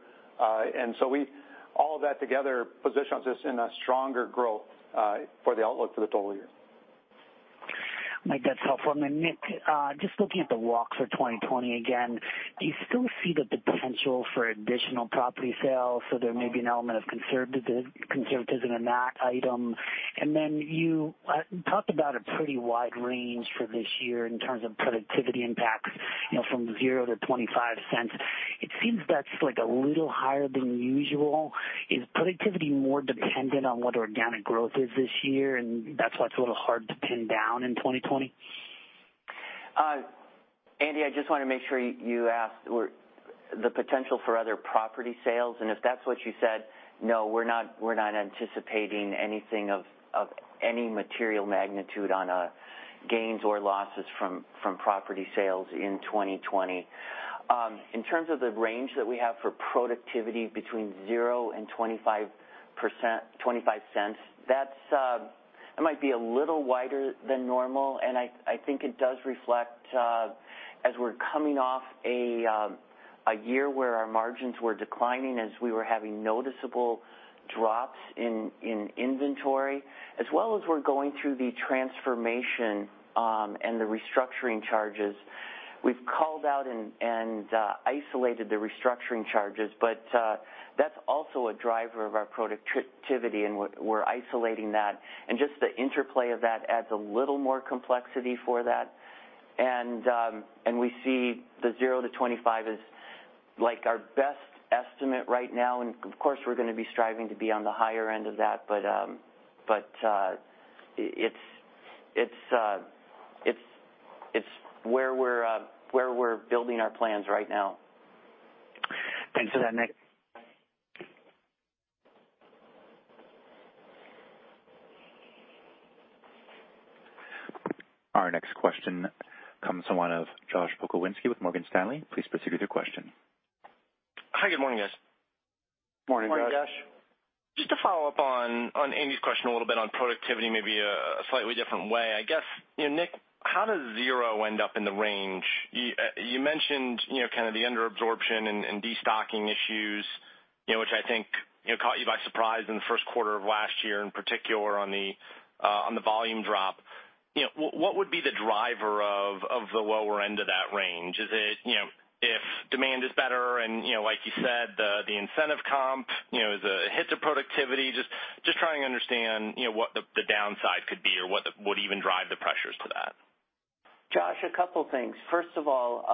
All of that together positions us in a stronger growth for the outlook for the total year. Mike, that's helpful. Nick, just looking at the walks for 2020 again, do you still see the potential for additional property sales? There may be an element of conservatism in that item. You talked about a pretty wide range for this year in terms of productivity impacts from $0 to $0.25. It seems that's a little higher than usual. Is productivity more dependent on what organic growth is this year, and that's why it's a little hard to pin down in 2020? Andy, I just want to make sure you asked the potential for other property sales, and if that's what you said, no, we're not anticipating anything of any material magnitude on gains or losses from property sales in 2020. In terms of the range that we have for productivity between $0 and $0.25, that might be a little wider than normal, and I think it does reflect as we're coming off a year where our margins were declining as we were having noticeable drops in inventory, as well as we're going through the transformation and the restructuring charges. We've called out and isolated the restructuring charges, but that's also a driver of our productivity, and we're isolating that. Just the interplay of that adds a little more complexity for that. We see the $0-$0.25 is our best estimate right now. Of course, we're going to be striving to be on the higher end of that. It's where we're building our plans right now. Thanks for that, Nick. Our next question comes from the line of Josh Pokrzywinski with Morgan Stanley. Please proceed with your question. Hi. Good morning, guys. Morning, Josh. Morning, Josh. Just to follow up on Andy's question a little bit on productivity, maybe a slightly different way, I guess. Nick, how does zero end up in the range? You mentioned the under-absorption and de-stocking issues which I think caught you by surprise in the first quarter of last year, in particular on the volume drop. What would be the driver of the lower end of that range? Is it if demand is better, and like you said, the incentive comp, the hits of productivity, just trying to understand what the downside could be or what would even drive the pressures to that? Josh, a couple things. First of all,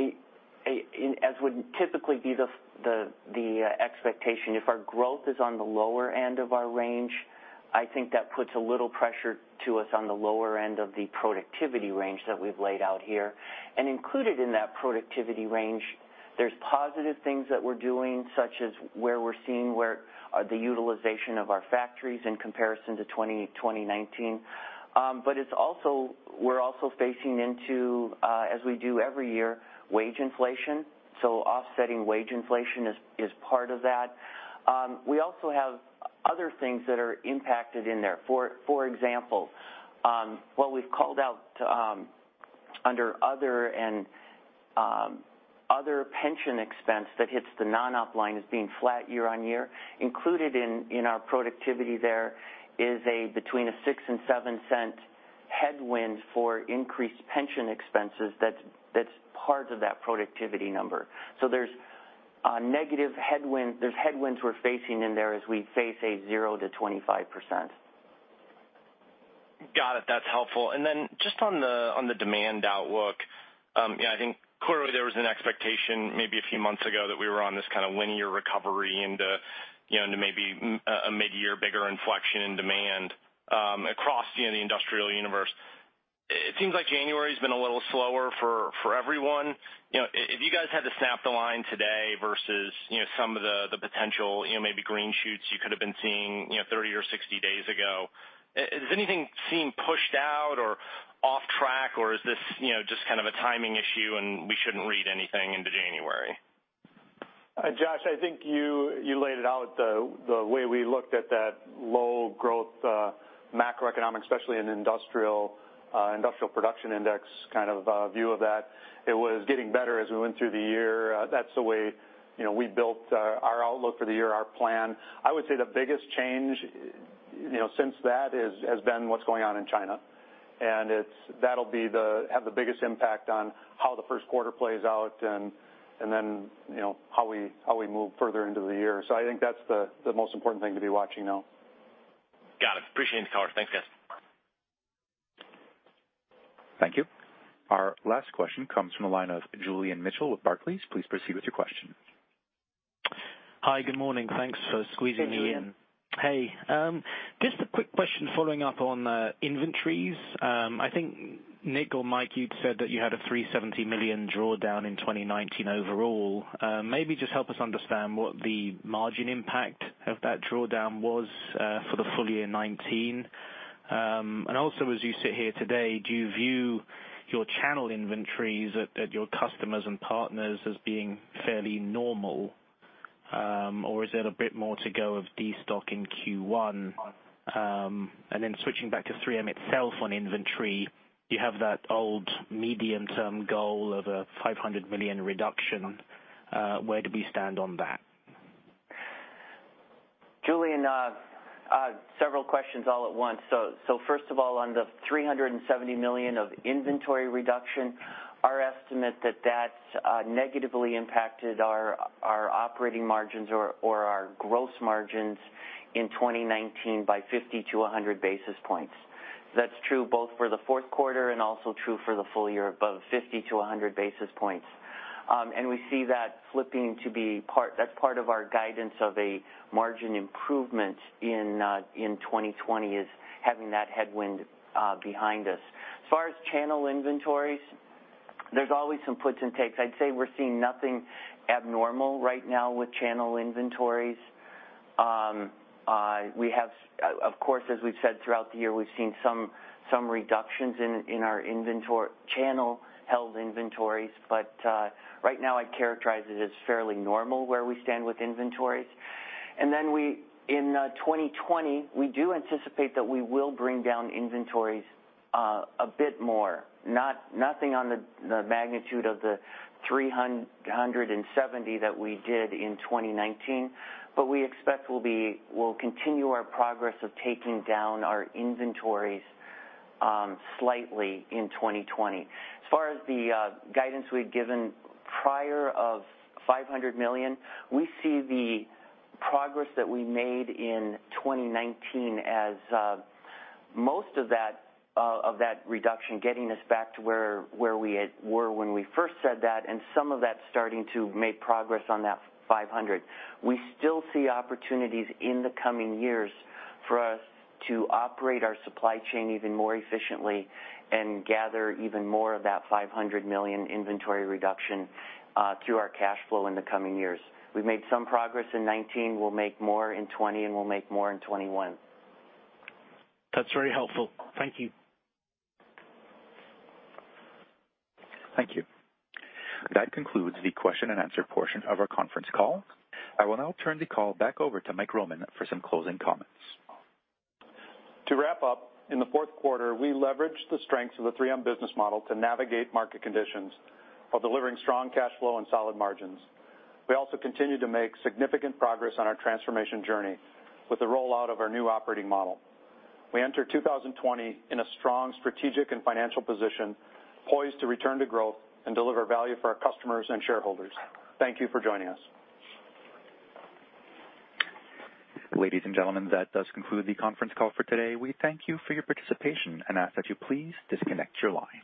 as would typically be the expectation, if our growth is on the lower end of our range, I think that puts a little pressure to us on the lower end of the productivity range that we've laid out here. Included in that productivity range, there's positive things that we're doing, such as where we're seeing where the utilization of our factories in comparison to 2019. We're also facing into, as we do every year, wage inflation. Offsetting wage inflation is part of that. We also have other things that are impacted in there. For example, what we've called out under other pension expense that hits the non-op line as being flat year-over-year, included in our productivity there is a between a $0.06 and $0.07 headwind for increased pension expenses that's part of that productivity number. There's headwinds we're facing in there as we face a 0%-25%. Got it. That's helpful. Just on the demand outlook, I think clearly there was an expectation maybe a few months ago that we were on this kind of linear recovery into maybe a midyear bigger inflection in demand across the industrial universe. It seems like January's been a little slower for everyone. If you guys had to snap the line today versus some of the potential maybe green shoots you could have been seeing 30 or 60 days ago, does anything seem pushed out or off track, or is this just kind of a timing issue, and we shouldn't read anything into January? Josh, I think you laid it out the way we looked at that low growth macroeconomic, especially in industrial production index kind of view of that. It was getting better as we went through the year. That's the way we built our outlook for the year, our plan. I would say the biggest change since that has been what's going on in China, that'll have the biggest impact on how the first quarter plays out and then how we move further into the year. I think that's the most important thing to be watching now. Got it. Appreciate the color. Thanks, guys. Thank you. Our last question comes from the line of Julian Mitchell with Barclays. Please proceed with your question. Hi. Good morning. Thanks for squeezing me in. Hey, Julian. Hey. Just a quick question following up on inventories. I think Nick or Mike, you'd said that you had a $370 million drawdown in 2019 overall. Maybe just help us understand what the margin impact of that drawdown was for the full year 2019. Also, as you sit here today, do you view your channel inventories at your customers and partners as being fairly normal? Or is it a bit more to go of de-stock in Q1? Then switching back to 3M itself on inventory, you have that old medium-term goal of a $500 million reduction. Where do we stand on that? Julian, several questions all at once. First of all, on the $370 million of inventory reduction, our estimate that's negatively impacted our operating margins or our gross margins in 2019 by 50 to 100 basis points. That's true both for the fourth quarter and also true for the full year above 50 to 100 basis points. We see that flipping to be part of our guidance of a margin improvement in 2020 is having that headwind behind us. As far as channel inventories, there's always some puts and takes. I'd say we're seeing nothing abnormal right now with channel inventories. We have, of course, as we've said throughout the year, we've seen some reductions in our channel-held inventories. Right now, I'd characterize it as fairly normal where we stand with inventories. Then in 2020, we do anticipate that we will bring down inventories a bit more. Nothing on the magnitude of the $370 million that we did in 2019, but we expect we'll continue our progress of taking down our inventories slightly in 2020. As far as the guidance, we'd given prior of $500 million, we see the progress that we made in 2019 as most of that reduction getting us back to where we were when we first said that, and some of that's starting to make progress on that $500 million. We still see opportunities in the coming years for us to operate our supply chain even more efficiently and gather even more of that $500 million inventory reduction through our cash flow in the coming years. We've made some progress in 2019, we'll make more in 2020, and we'll make more in 2021. That's very helpful. Thank you. Thank you. That concludes the question-and-answer portion of our conference call. I will now turn the call back over to Mike Roman for some closing comments. To wrap up, in the fourth quarter, we leveraged the strengths of the 3M business model to navigate market conditions while delivering strong cash flow and solid margins. We also continue to make significant progress on our transformation journey with the rollout of our new operating model. We enter 2020 in a strong strategic and financial position, poised to return to growth and deliver value for our customers and shareholders. Thank you for joining us. Ladies and gentlemen, that does conclude the conference call for today. We thank you for your participation and ask that you please disconnect your line.